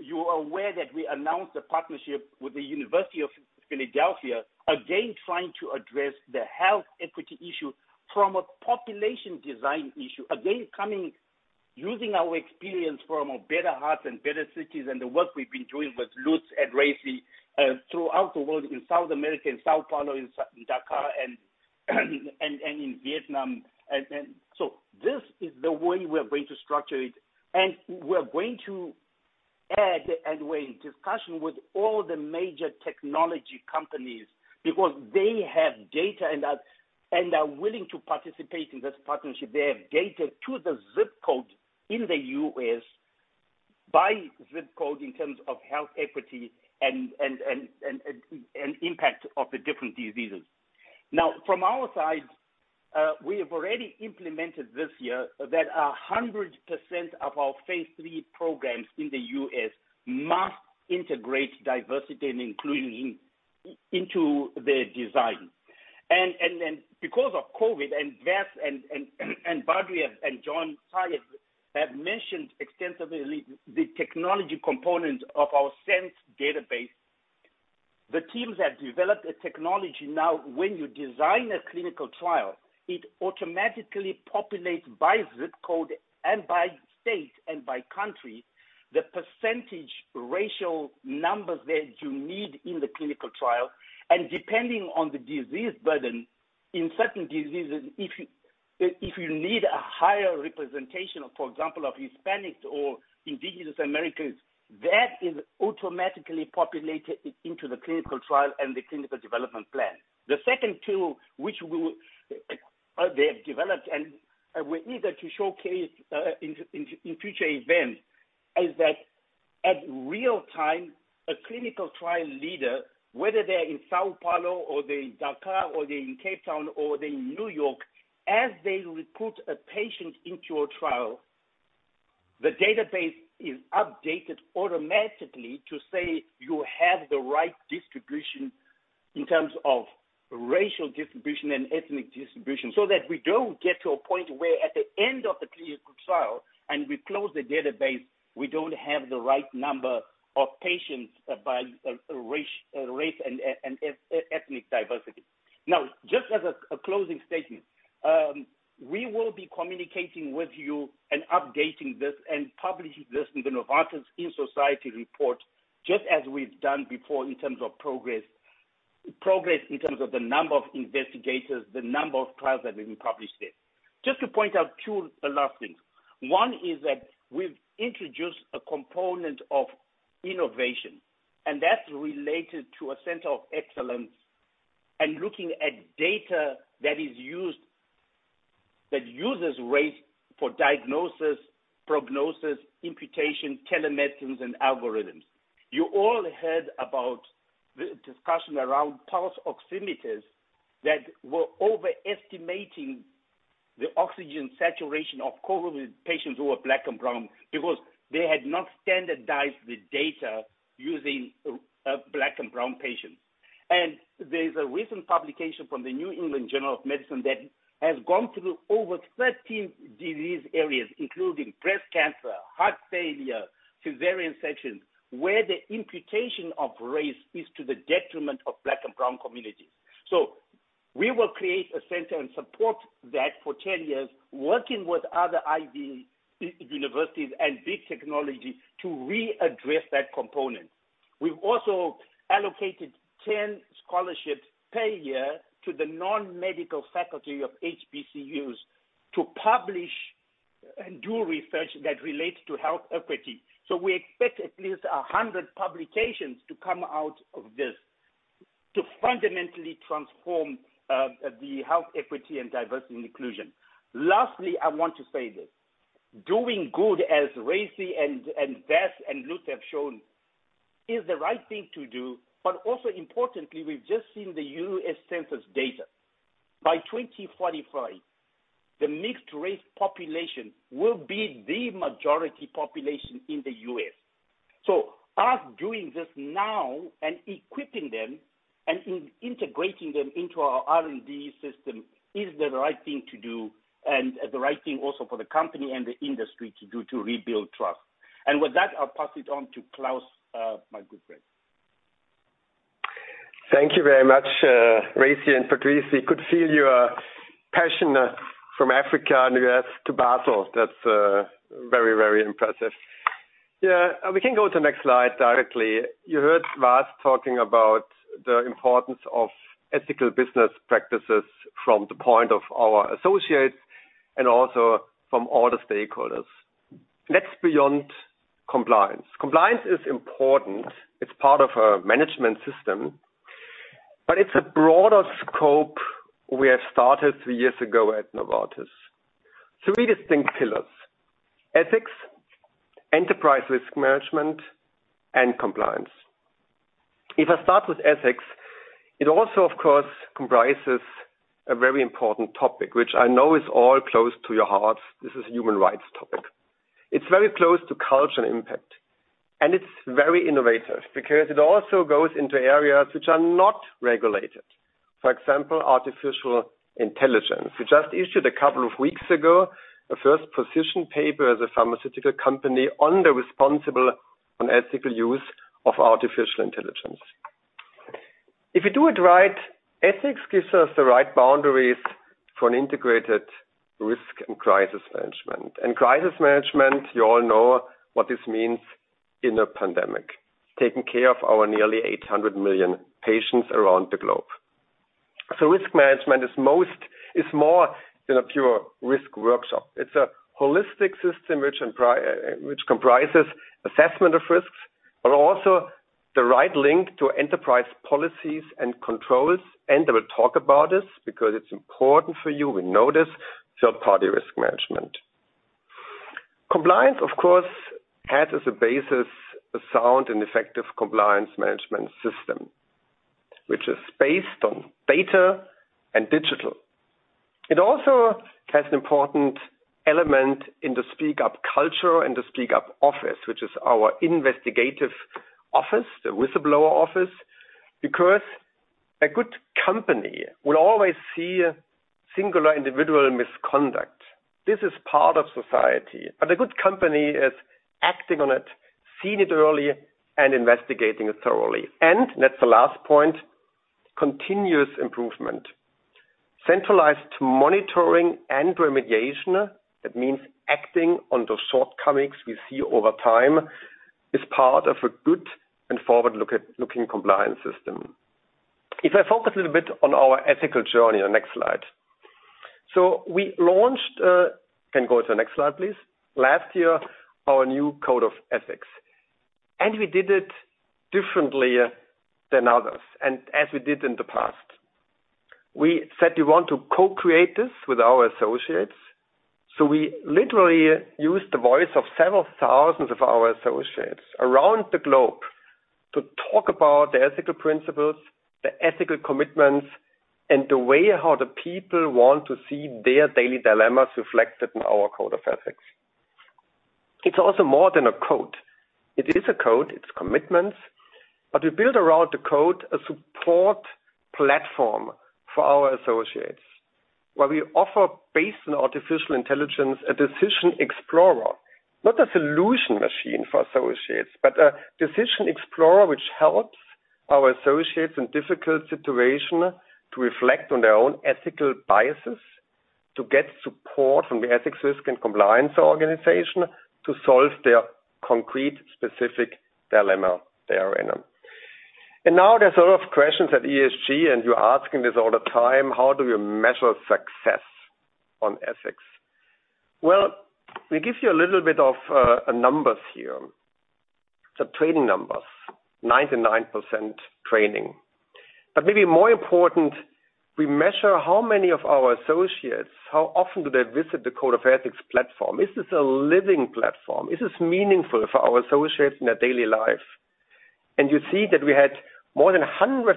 you are aware that we announced a partnership with the University of Pennsylvania, again, trying to address the health equity issue from a population design issue, again, coming using our experience from our Better Hearts Better Cities and the work we've been doing with Lutz and Racey, throughout the world, in South America, in São Paulo, in Dakar, and in Vietnam, this is the way we're going to structure it. We're going to add, and we're in discussion with all the major technology companies because they have data and are willing to participate in this partnership. They have data to the ZIP code in the U.S. by ZIP code in terms of health equity and impact of the different diseases. From our side, we have already implemented this year that 100% of our phase III programs in the U.S. must integrate diversity and inclusion into the design. Because of COVID, Vas and Badhri and John Tsai have mentioned extensively the technology component of our Sense database. The teams have developed a technology now when you design a clinical trial, it automatically populates by ZIP code and by state and by country, the percentage racial numbers there unique in the clinical trial, and depending on the disease burden, in certain diseases, if you need a higher representation, for example, of Hispanics or Indigenous Americans, that is automatically populated into the clinical trial and the clinical development plan. The second tool, which they have developed and we're eager to showcase in future events, is that at real time, a clinical trial leader, whether they're in São Paulo or they're in Dakar or they're in Cape Town or they're in New York, as they recruit a patient into a trial, the database is updated automatically to say you have the right distribution in terms of racial distribution and ethnic distribution, so that we don't get to a point where at the end of the clinical trial and we close the database, we don't have the right number of patients by race and ethnic diversity. Now, just as a closing statement, we will be communicating with you and updating this and publishing this in the Novartis in Society report, just as we've done before in terms of progress in terms of the number of investigators, the number of trials that we've published there. Just to point out two last things. One, is that we've introduced a component of innovation, and that's related to a center of excellence and looking at data that uses race for diagnosis, prognosis, imputation, telemedicines, and algorithms. You all heard about the discussion around pulse oximeters that were overestimating the oxygen saturation of COVID patients who were Black and brown because they had not standardized the data using Black and brown patients. There's a recent publication from the New England Journal of Medicine that has gone through over 13 disease areas, including breast cancer, heart failure, cesarean sections, where the imputation of race is to the detriment of Black and brown communities. We will create a center and support that for 10 years, working with other Ivy universities and big technology to re-address that component. We've also allocated 10 scholarships per year to the non-medical faculty of HBCUs to publish and do research that relates to health equity. We expect at least 100 publications to come out of this to fundamentally transform the health equity and diversity and inclusion. Lastly, I want to say this. Doing good, as Racey and Vas and Lutz have shown, is the right thing to do. Importantly, we've just seen the U.S. Census data. By 2045, the mixed race population will be the majority population in the U.S. Us doing this now and equipping them and integrating them into our R&D system is the right thing to do and the right thing also for the company and the industry to do to rebuild trust. With that, I'll pass it on to Klaus, my good friend. Thank you very much, Racey and Patrice. Could feel your passion from Africa and U.S. to Basel. That's very, very impressive. Yeah, we can go to next slide directly. You heard Vas talking about the importance of ethical business practices from the point of our associates and also from all the stakeholders. That's beyond compliance. Compliance is important. It's part of a management system, but it's a broader scope we have started three years ago at Novartis. Three distinct pillars. Ethics, enterprise risk management, and compliance. If I start with ethics, it also, of course, comprises a very important topic, which I know is all close to your hearts. This is human rights topic. It's very close to culture and impact, and it's very innovative because it also goes into areas which are not regulated. For example, artificial intelligence. We just issued a couple of weeks ago, a first position paper as a pharmaceutical company on the responsible and ethical use of artificial intelligence. If you do it right, ethics gives us the right boundaries for an integrated risk and crisis management. Crisis management, you all know what this means in a pandemic, taking care of our nearly 800 million patients around the globe. Risk management is more than a pure risk workshop. It's a holistic system which comprises assessment of risks, but also the right link to enterprise policies and controls. I will talk about this because it's important for you. We know this, third-party risk management. Compliance, of course, has as a basis a sound and effective compliance management system, which is based on data and digital. It also has an important element in the SpeakUp culture and the SpeakUp office, which is our investigative office, the whistleblower office, because a good company will always see singular individual misconduct. This is part of society, a good company is acting on it, seeing it early, and investigating it thoroughly. That is the last point, continuous improvement. Centralized monitoring and remediation, that means acting on those shortcomings we see over time, is part of a good and forward-looking compliance system. If I focus a little bit on our ethical journey on the next slide. We launched, can go to the next slide, please, last year our new code of ethics, and we did it differently than others and as we did in the past. We said we want to co-create this with our associates, we literally used the voice of several thousands of our associates around the globe to talk about the ethical principles, the ethical commitments, and the way how the people want to see their daily dilemmas reflected in our code of ethics. It's also more than a code. It is a code, it's commitments, we build around the code a support platform for our associates, where we offer, based on artificial intelligence, a decision explorer. Not a solution machine for associates, a decision explorer which helps our associates in difficult situation to reflect on their own ethical biases, to get support from the Ethics, Risk, and Compliance organization to solve their concrete specific dilemma they are in. Now there's a lot of questions at ESG, you're asking this all the time, how do we measure success on ethics? Well, we give you a little bit of numbers here. Some training numbers. 99% training. Maybe more important, we measure how many of our associates, how often do they visit the code of ethics platform. Is this a living platform? Is this meaningful for our associates in their daily life? You see that we had more than 100,000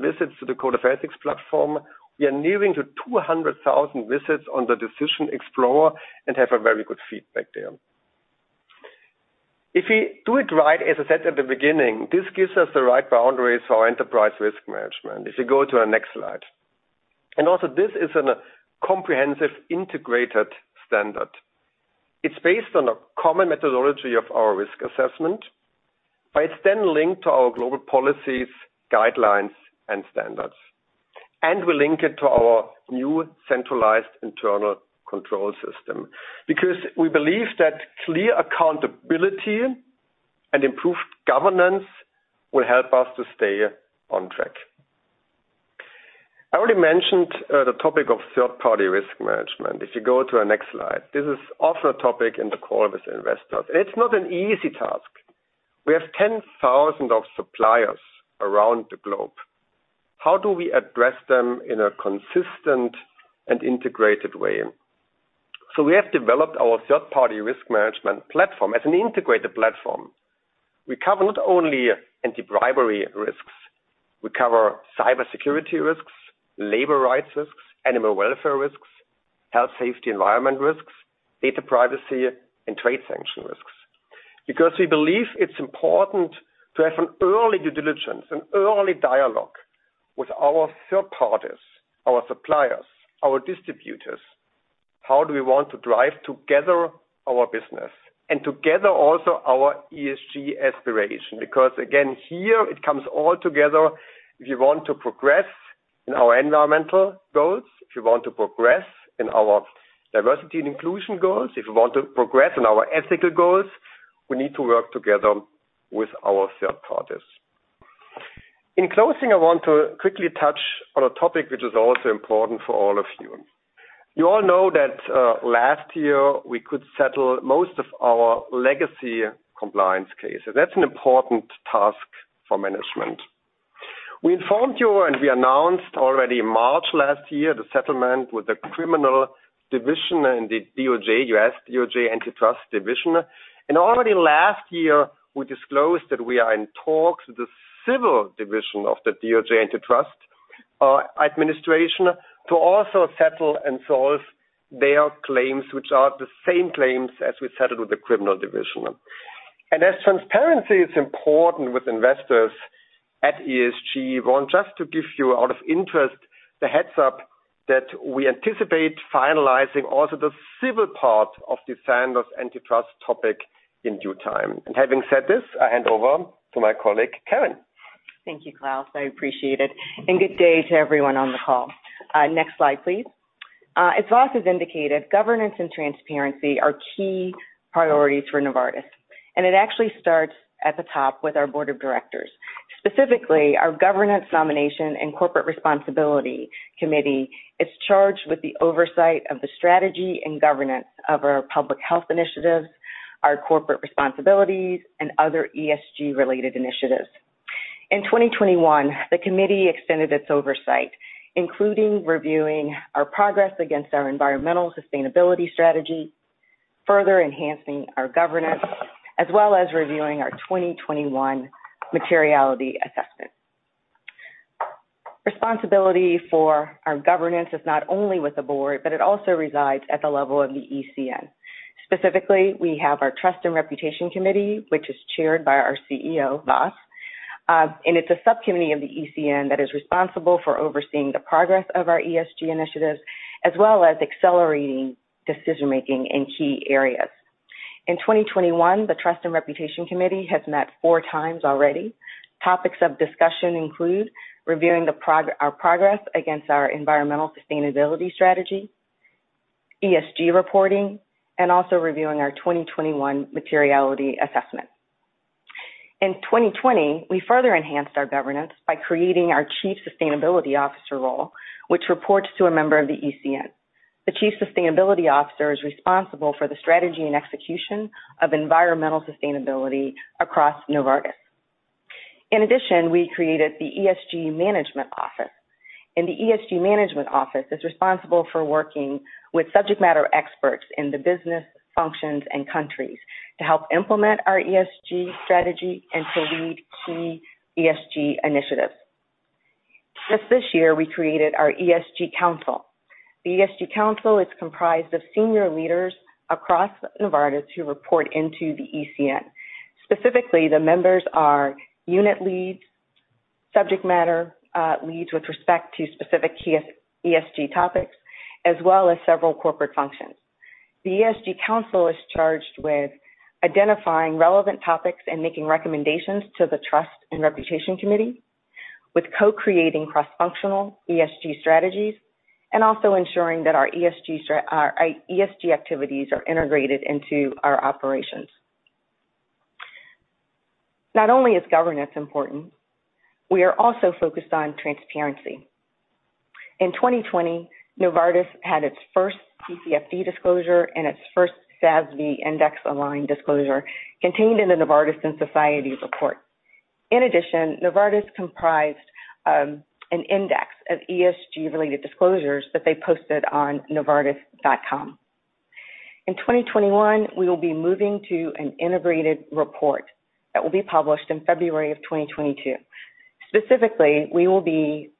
visits to the code of ethics platform. We are nearing to 200,000 visits on the decision explorer and have a very good feedback there. If we do it right, as I said at the beginning, this gives us the right boundaries for enterprise risk management. If you go to our next slide. Also this is an comprehensive integrated standard. It's based on a common methodology of our risk assessment. It's then linked to our global policies, guidelines, and standards. We link it to our new centralized internal control system, because we believe that clear accountability and improved governance will help us to stay on track. I already mentioned the topic of third-party risk management. If you go to our next slide. This is also a topic in the call with investors. It's not an easy task. We have 10,000 of suppliers around the globe. How do we address them in a consistent and integrated way? We have developed our third-party risk management platform as an integrated platform. We cover not only anti-bribery risks, we cover cybersecurity risks, labor rights risks, animal welfare risks, health safety environment risks, data privacy, and trade sanction risks. We believe it's important to have an early due diligence, an early dialogue with our third parties, our suppliers, our distributors. How do we want to drive together our business and together also our ESG aspiration? Again, here it comes all together. If you want to progress in our environmental goals, if you want to progress in our diversity and inclusion goals, if you want to progress in our ethical goals, we need to work together with our third parties. In closing, I want to quickly touch on a topic which is also important for all of you. You all know that, last year, we could settle most of our legacy compliance cases. That's an important task for management. We informed you and we announced already in March last year the settlement with the Criminal Division and the DOJ, U.S. DOJ Antitrust Division. Already last year, we disclosed that we are in talks with the Civil Division of the DOJ Antitrust administration to also settle and solve their claims, which are the same claims as we settled with the Criminal Division. As transparency is important with investors at ESG, I want just to give you out of interest the heads-up that we anticipate finalizing also the civil part of the Sandoz antitrust topic in due time. Having said this, I hand over to my colleague, Karen. Thank you, Klaus. I appreciate it. Good day to everyone on the call. Next slide, please. As Vas has indicated, governance and transparency are key priorities for Novartis. It actually starts at the top with our board of directors, specifically our governance nomination and corporate responsibility committee is charged with the oversight of the strategy and governance of our public health initiatives, our corporate responsibilities, and other ESG-related initiatives. In 2021, the committee extended its oversight, including reviewing our progress against our environmental sustainability strategy, further enhancing our governance, as well as reviewing our 2021 materiality assessment. Responsibility for our governance is not only with the board, but it also resides at the level of the ECN. Specifically, we have our Trust & Reputation Committee, which is chaired by our CEO, Vas. It's a subcommittee of the ECN that is responsible for overseeing the progress of our ESG initiatives, as well as accelerating decision-making in key areas. In 2021, the Trust & Reputation Committee has met 4x already. Topics of discussion include reviewing our progress against our environmental sustainability strategy, ESG reporting, and also reviewing our 2021 materiality assessment. In 2020, we further enhanced our governance by creating our Chief Sustainability Officer role, which reports to a member of the ECN. The Chief Sustainability Officer is responsible for the strategy and execution of environmental sustainability across Novartis. In addition, we created the ESG management office, and the ESG management office is responsible for working with subject matter experts in the business functions and countries to help implement our ESG strategy and to lead key ESG initiatives. Just this year, we created our ESG council. The ESG Council is comprised of senior leaders across Novartis who report into the ECN. Specifically, the members are unit leads, subject matter leads with respect to specific key ESG topics, as well as several corporate functions. The ESG Council is charged with identifying relevant topics and making recommendations to the Trust & Reputation Committee, with co-creating cross-functional ESG strategies, and also ensuring that our ESG activities are integrated into our operations. Not only is governance important, we are also focused on transparency. In 2020, Novartis had its first TCFD disclosure and its first SASB Index-aligned disclosure contained in the Novartis in Society report. In addition, Novartis comprised an index of ESG-related disclosures that they posted on novartis.com. In 2021, we will be moving to an integrated report that will be published in February of 2022. Specifically, we will be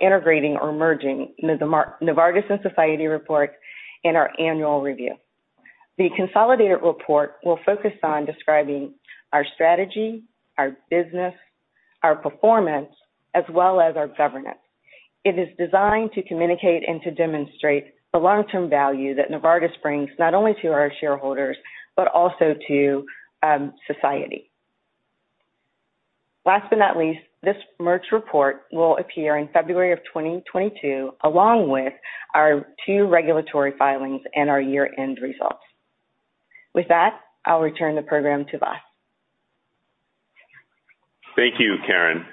integrating or merging the Novartis in Society report in our annual review. The consolidated report will focus on describing our strategy, our business, our performance, as well as our governance. It is designed to communicate and to demonstrate the long-term value that Novartis brings not only to our shareholders, but also to society. Last but not least, this merged report will appear in February 2022, along with our two regulatory filings and our year-end results. With that, I'll return the program to Vas. Thank you, Karen.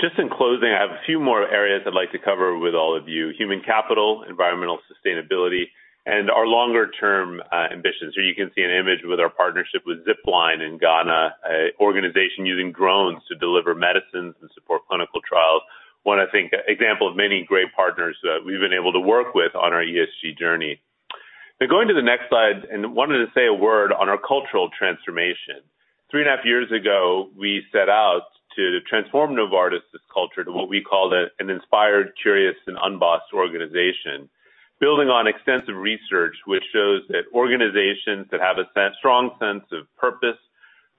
Just in closing, I have a few more areas I'd like to cover with all of you. Human capital, environmental sustainability, and our longer-term ambitions. Here you can see an image with our partnership with Zipline in Ghana, an organization using drones to deliver medicines and support clinical trials. One example of many great partners that we've been able to work with on our ESG journey. Going to the next slide, I wanted to say a word on our cultural transformation. Three and a half years ago, we set out to transform Novartis' culture to what we called an inspired, curious, and Unbossed organization. Building on extensive research which shows that organizations that have a strong sense of purpose,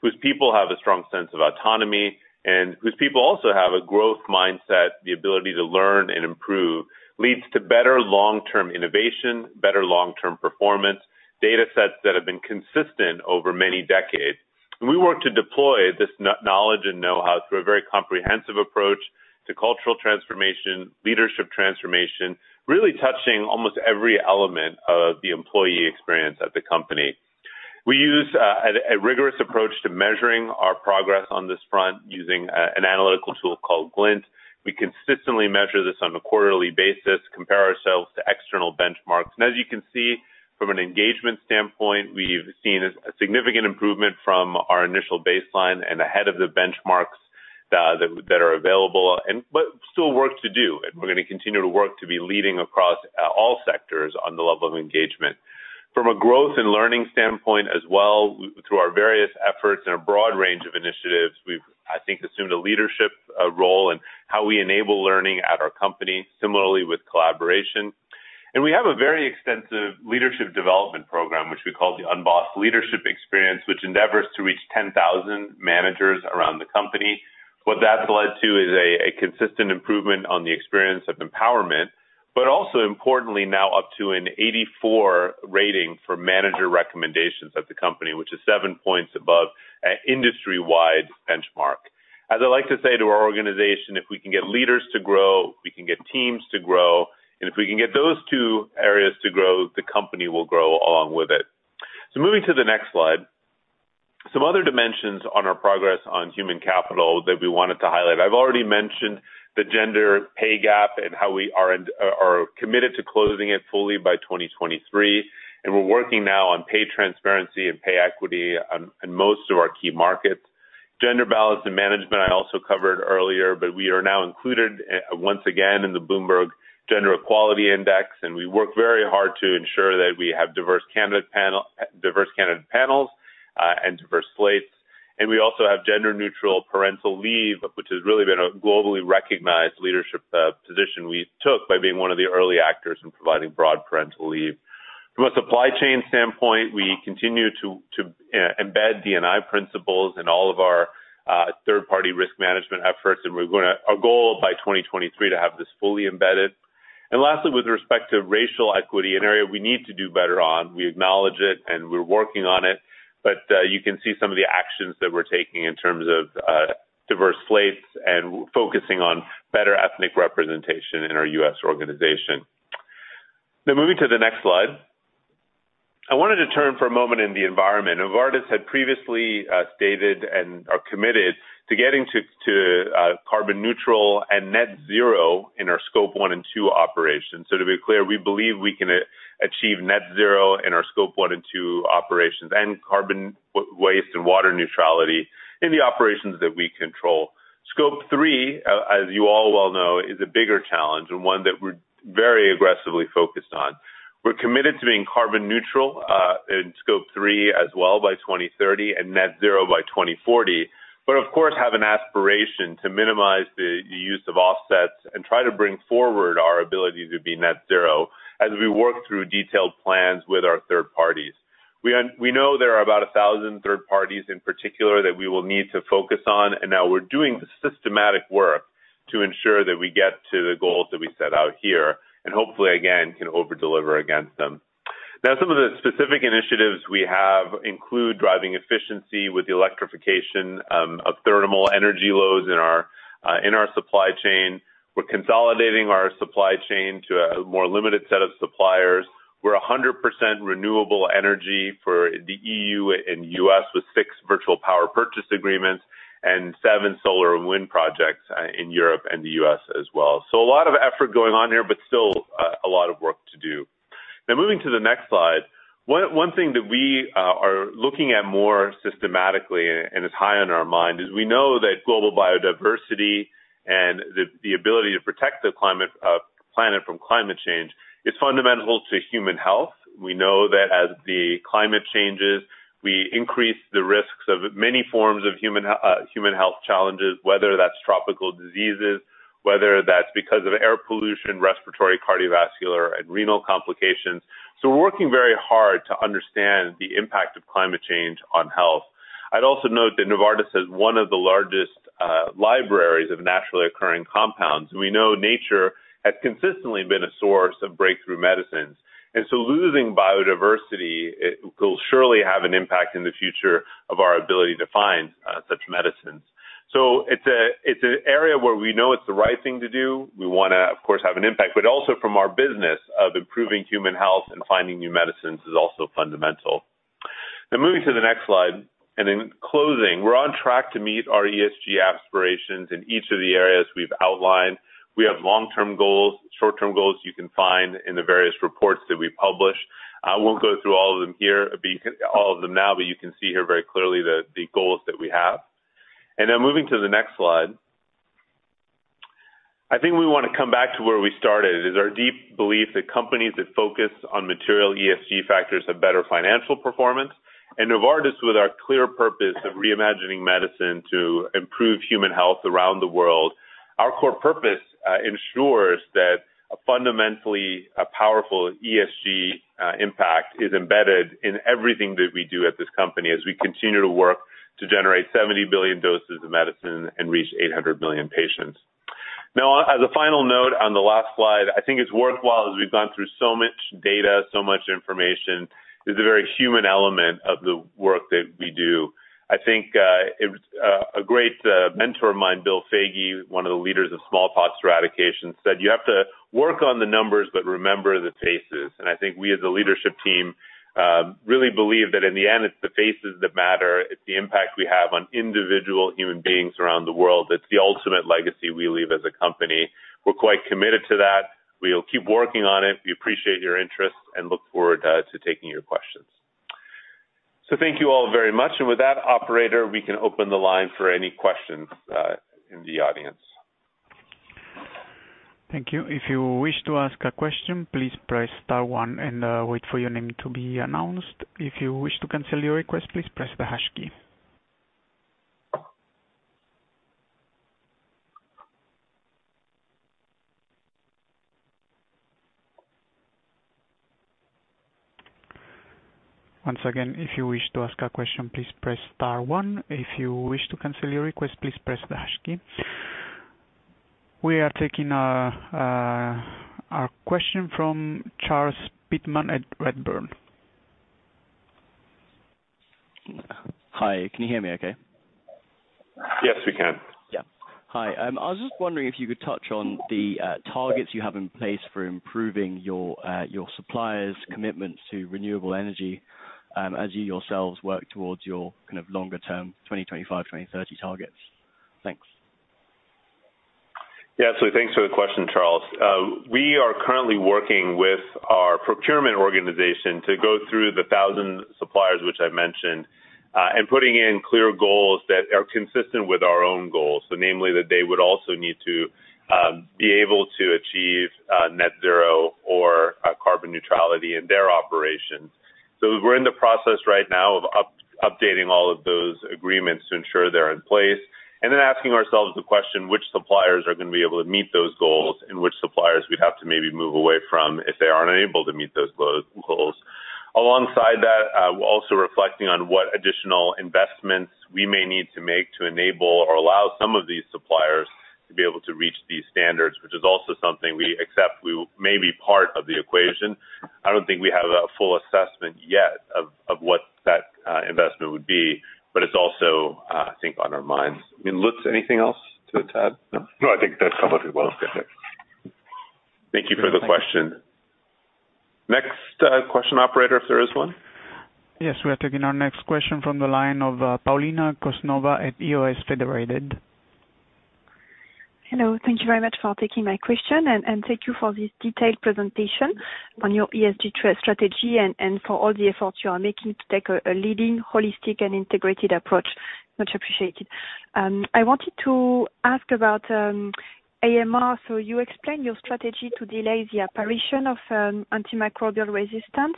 whose people have a strong sense of autonomy, and whose people also have a growth mindset, the ability to learn and improve, leads to better long-term innovation, better long-term performance, data sets that have been consistent over many decades. We work to deploy this knowledge and know-how through a very comprehensive approach to cultural transformation, leadership transformation, really touching almost every element of the employee experience at the company. We use a rigorous approach to measuring our progress on this front using an analytical tool called Glint. We consistently measure this on a quarterly basis, compare ourselves to external benchmarks. As you can see, from an engagement standpoint, we've seen a significant improvement from our initial baseline and ahead of the benchmarks that are available. Still work to do, and we're going to continue to work to be leading across all sectors on the level of engagement. From a growth and learning standpoint as well, through our various efforts and a broad range of initiatives, we've, I think, assumed a leadership role in how we enable learning at our company, similarly with collaboration. We have a very extensive leadership development program, which we call the Unbossed Leadership Experience, which endeavors to reach 10,000 managers around the company. What that's led to is a consistent improvement on the experience of empowerment, but also importantly now up to an 84 rating for manager recommendations at the company, which is 7 points above an industry-wide benchmark. As I like to say to our organization, if we can get leaders to grow, we can get teams to grow. If we can get those two areas to grow, the company will grow along with it. Moving to the next slide. Some other dimensions on our progress on human capital that we wanted to highlight. I've already mentioned the gender pay gap and how we are committed to closing it fully by 2023, and we're working now on pay transparency and pay equity in most of our key markets. Gender balance in management I also covered earlier. We are now included once again in the Bloomberg Gender-Equality Index, and we work very hard to ensure that we have diverse candidate panels and diverse slates. We also have gender-neutral parental leave, which has really been a globally recognized leadership position we took by being one of the early actors in providing broad parental leave. From a supply chain standpoint, we continue to embed D&I principles in all of our third-party risk management efforts. Our goal by 2023 to have this fully embedded. Lastly, with respect to racial equity, an area we need to do better on. We acknowledge it. We're working on it. You can see some of the actions that we're taking in terms of diverse slates and focusing on better ethnic representation in our U.S. organization. Now moving to the next slide. I wanted to turn for a moment in the environment. Novartis had previously stated and are committed to getting to carbon neutral and net zero in our Scope 1 and 2 operations. To be clear, we believe we can achieve net zero in our Scope 1 and 2 operations, and carbon waste and water neutrality in the operations that we control. Scope 3, as you all well know, is a bigger challenge and one that we're very aggressively focused on. We're committed to being carbon neutral in Scope 3 as well by 2030 and net zero by 2040, but of course, have an aspiration to minimize the use of offsets and try to bring forward our ability to be net zero as we work through detailed plans with our third parties. We know there are about 1,000 third parties in particular that we will need to focus on, we're doing systematic work to ensure that we get to the goals that we set out here and hopefully, again, can over-deliver against them. Some of the specific initiatives we have include driving efficiency with the electrification of thermal energy loads in our supply chain. We're consolidating our supply chain to a more limited set of suppliers. We're 100% renewable energy for the EU and U.S., with six virtual power purchase agreements and seven solar and wind projects in Europe and the U.S. as well. A lot of effort going on here, but still a lot of work to do. Moving to the next slide. One thing that we are looking at more systematically and is high on our mind is we know that global biodiversity and the ability to protect the planet from climate change is fundamental to human health. We know that as the climate changes, we increase the risks of many forms of human health challenges, whether that's tropical diseases, whether that's because of air pollution, respiratory, cardiovascular, and renal complications. We're working very hard to understand the impact of climate change on health. I'd also note that Novartis has one of the largest libraries of naturally occurring compounds, and we know nature has consistently been a source of breakthrough medicines. Losing biodiversity will surely have an impact in the future of our ability to find such medicines. It's an area where we know it's the right thing to do. We want to, of course, have an impact, but also from our business of improving human health and finding new medicines is also fundamental. Moving to the next slide and in closing, we're on track to meet our ESG aspirations in each of the areas we've outlined. We have long-term goals, short-term goals you can find in the various reports that we publish. I won't go through all of them now, but you can see here very clearly the goals that we have. Moving to the next slide. I think we want to come back to where we started, is our deep belief that companies that focus on material ESG factors have better financial performance. Novartis, with our clear purpose of reimagining medicine to improve human health around the world, our core purpose ensures that fundamentally a powerful ESG impact is embedded in everything that we do at this company as we continue to work to generate 70 billion doses of medicine and reach 800 million patients. As a final note on the last slide, I think it's worthwhile as we've gone through so much data, so much information, is the very human element of the work that we do. I think a great mentor of mine, Bill Foege, one of the leaders of smallpox eradication, said, "You have to work on the numbers, but remember the faces." I think we, as a leadership team, really believe that in the end, it's the faces that matter. It's the impact we have on individual human beings around the world. It's the ultimate legacy we leave as a company. We're quite committed to that. We'll keep working on it. We appreciate your interest and look forward to taking your questions. Thank you all very much. With that, operator, we can open the line for any questions in the audience. Thank you. If you wish to ask a question, please press star one and wait for your name to be announced. If you wish to cancel your request, please press the hash key. Once again, if you wish to ask a question, please press star one. If you wish to cancel your request, please press the hash key. We are taking a question from Charles Pitman at Redburn. Hi, can you hear me okay? Yes, we can. Yeah. Hi. I was just wondering if you could touch on the targets you have in place for improving your suppliers' commitments to renewable energy as you yourselves work towards your kind of longer-term 2025, 2030 targets. Thanks. Yeah. Thanks for the question, Charles. We are currently working with our procurement organization to go through the 1,000 suppliers which I've mentioned and putting in clear goals that are consistent with our own goals. Namely, that they would also need to be able to achieve net zero or carbon neutrality in their operations. We're in the process right now of updating all of those agreements to ensure they're in place and then asking ourselves the question, which suppliers are going to be able to meet those goals and which suppliers have to maybe move away from if they aren't able to meet those goals. Alongside that, also reflecting on what additional investments we may need to make to enable or allow some of these suppliers to be able to reach these standards, which is also something we accept may be part of the equation. I don't think we have a full assessment yet of what that investment would be, but it's also on our minds. Lutz, anything else to add? No. No, I think that covered it well. Okay. Thank you for the question. Next question, operator, if there is one. Yes, we are taking our next question from the line of Paulina Kosnova at EOS at Federated Hermes. Hello. Thank you very much for taking my question, and thank you for this detailed presentation on your ESG strategy and for all the efforts you are making to take a leading holistic and integrated approach. Much appreciated. I wanted to ask about AMR. You explained your strategy to delay the apparition of antimicrobial resistance,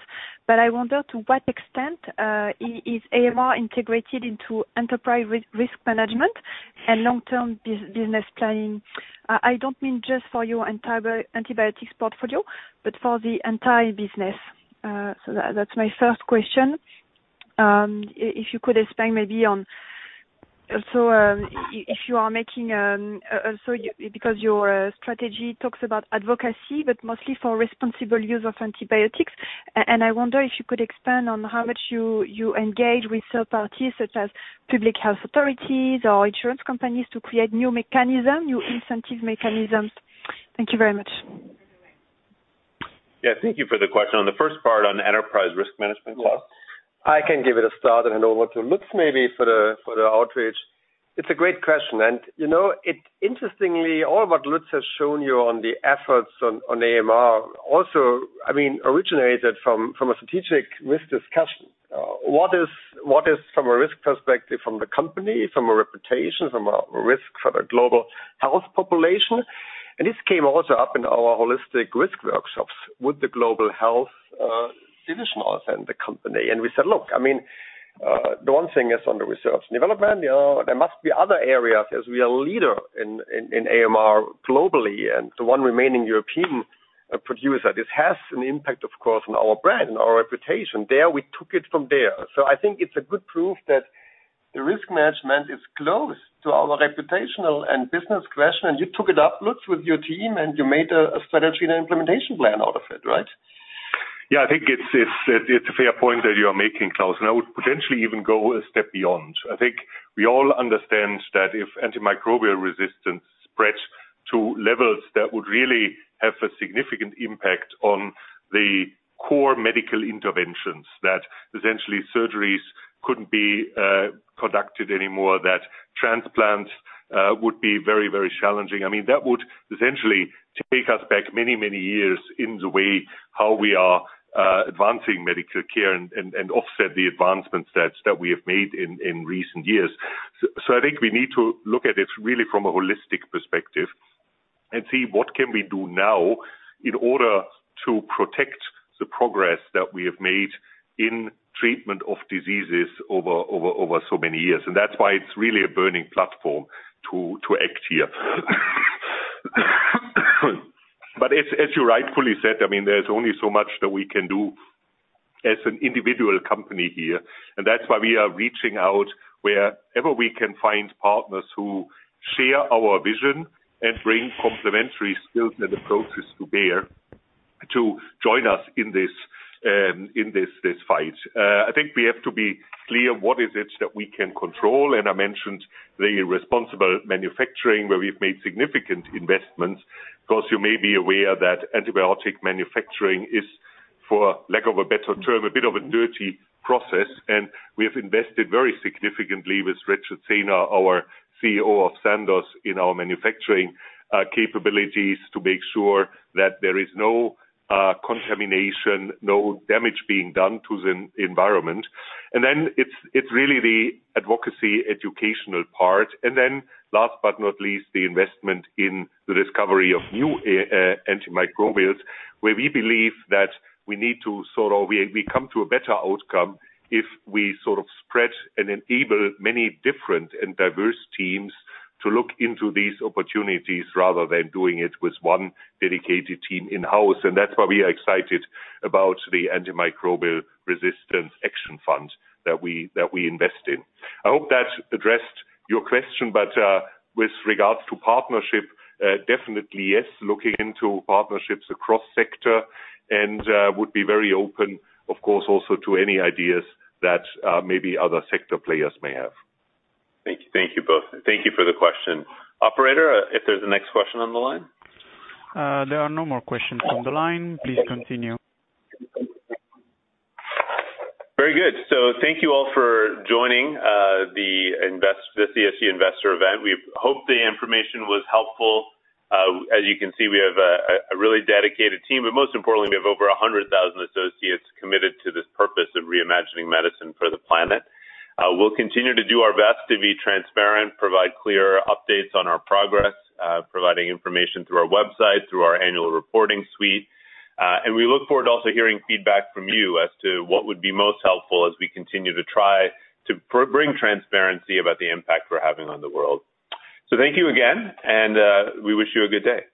but I wonder to what extent is AMR integrated into enterprise risk management and long-term business planning? I don't mean just for your antibiotics portfolio, but for the entire business. That's my first question. Also, because your strategy talks about advocacy, but mostly for responsible use of antibiotics, and I wonder if you could expand on how much you engage with third parties such as public health authorities or insurance companies to create new incentive mechanisms. Thank you very much. Yeah, thank you for the question. On the first part on enterprise risk management, Klaus? I can give it a start and hand over to Lutz maybe for the outreach. It's a great question. Interestingly, all what Lutz has shown you on the efforts on AMR also originated from a strategic risk discussion. What is from a risk perspective from the company, from a reputation, from a risk for the global health population? This came also up in our holistic risk workshops with the global health divisionals and the company. We said, look, the one thing is on the research and development. There must be other areas as we are leader in AMR globally, and the one remaining European producer. This has an impact, of course, on our brand and our reputation. We took it from there. I think it's a good proof that the risk management is close to our reputational and business question, and you took it up, Lutz, with your team, and you made a strategy and implementation plan out of it, right? Yeah, I think it's a fair point that you are making, Klaus, and I would potentially even go a step beyond. I think we all understand that if antimicrobial resistance spreads to levels, that would really have a significant impact on the core medical interventions that essentially surgeries couldn't be conducted anymore, that transplants would be very challenging. That would essentially take us back many years in the way how we are advancing medical care and offset the advancements that we have made in recent years. I think we need to look at it really from a holistic perspective and see what can we do now in order to protect the progress that we have made in treatment of diseases over so many years. That's why it's really a burning platform to act here. As you rightfully said, there's only so much that we can do as an individual company here, and that's why we are reaching out wherever we can find partners who share our vision and bring complementary skills and approaches to bear to join us in this fight. I think we have to be clear what is it that we can control, and I mentioned the responsible manufacturing where we've made significant investments. Klaus, you may be aware that antibiotic manufacturing is, for lack of a better term, a bit of a dirty process, and we have invested very significantly with Richard Saynor, our CEO of Sandoz, in our manufacturing capabilities to make sure that there is no contamination, no damage being done to the environment. Then it's really the advocacy educational part. Last but not least, the investment in the discovery of new antimicrobials, where we believe that we come to a better outcome if we sort of spread and enable many different and diverse teams to look into these opportunities rather than doing it with one dedicated team in-house. That's why we are excited about the AMR Action Fund that we invest in. I hope that addressed your question. With regards to partnership, definitely yes, looking into partnerships across sector and would be very open, of course, also to any ideas that maybe other sector players may have. Thank you both. Thank you for the question. Operator, if there's a next question on the line? There are no more questions on the line. Please continue. Very good. Thank you all for joining this ESG Investor event. We hope the information was helpful. As you can see, we have a really dedicated team, but most importantly, we have over 100,000 associates committed to this purpose of reimagining medicine for the planet. We'll continue to do our best to be transparent, provide clear updates on our progress, providing information through our website, through our annual reporting suite. We look forward also hearing feedback from you as to what would be most helpful as we continue to try to bring transparency about the impact we're having on the world. Thank you again, and we wish you a good day.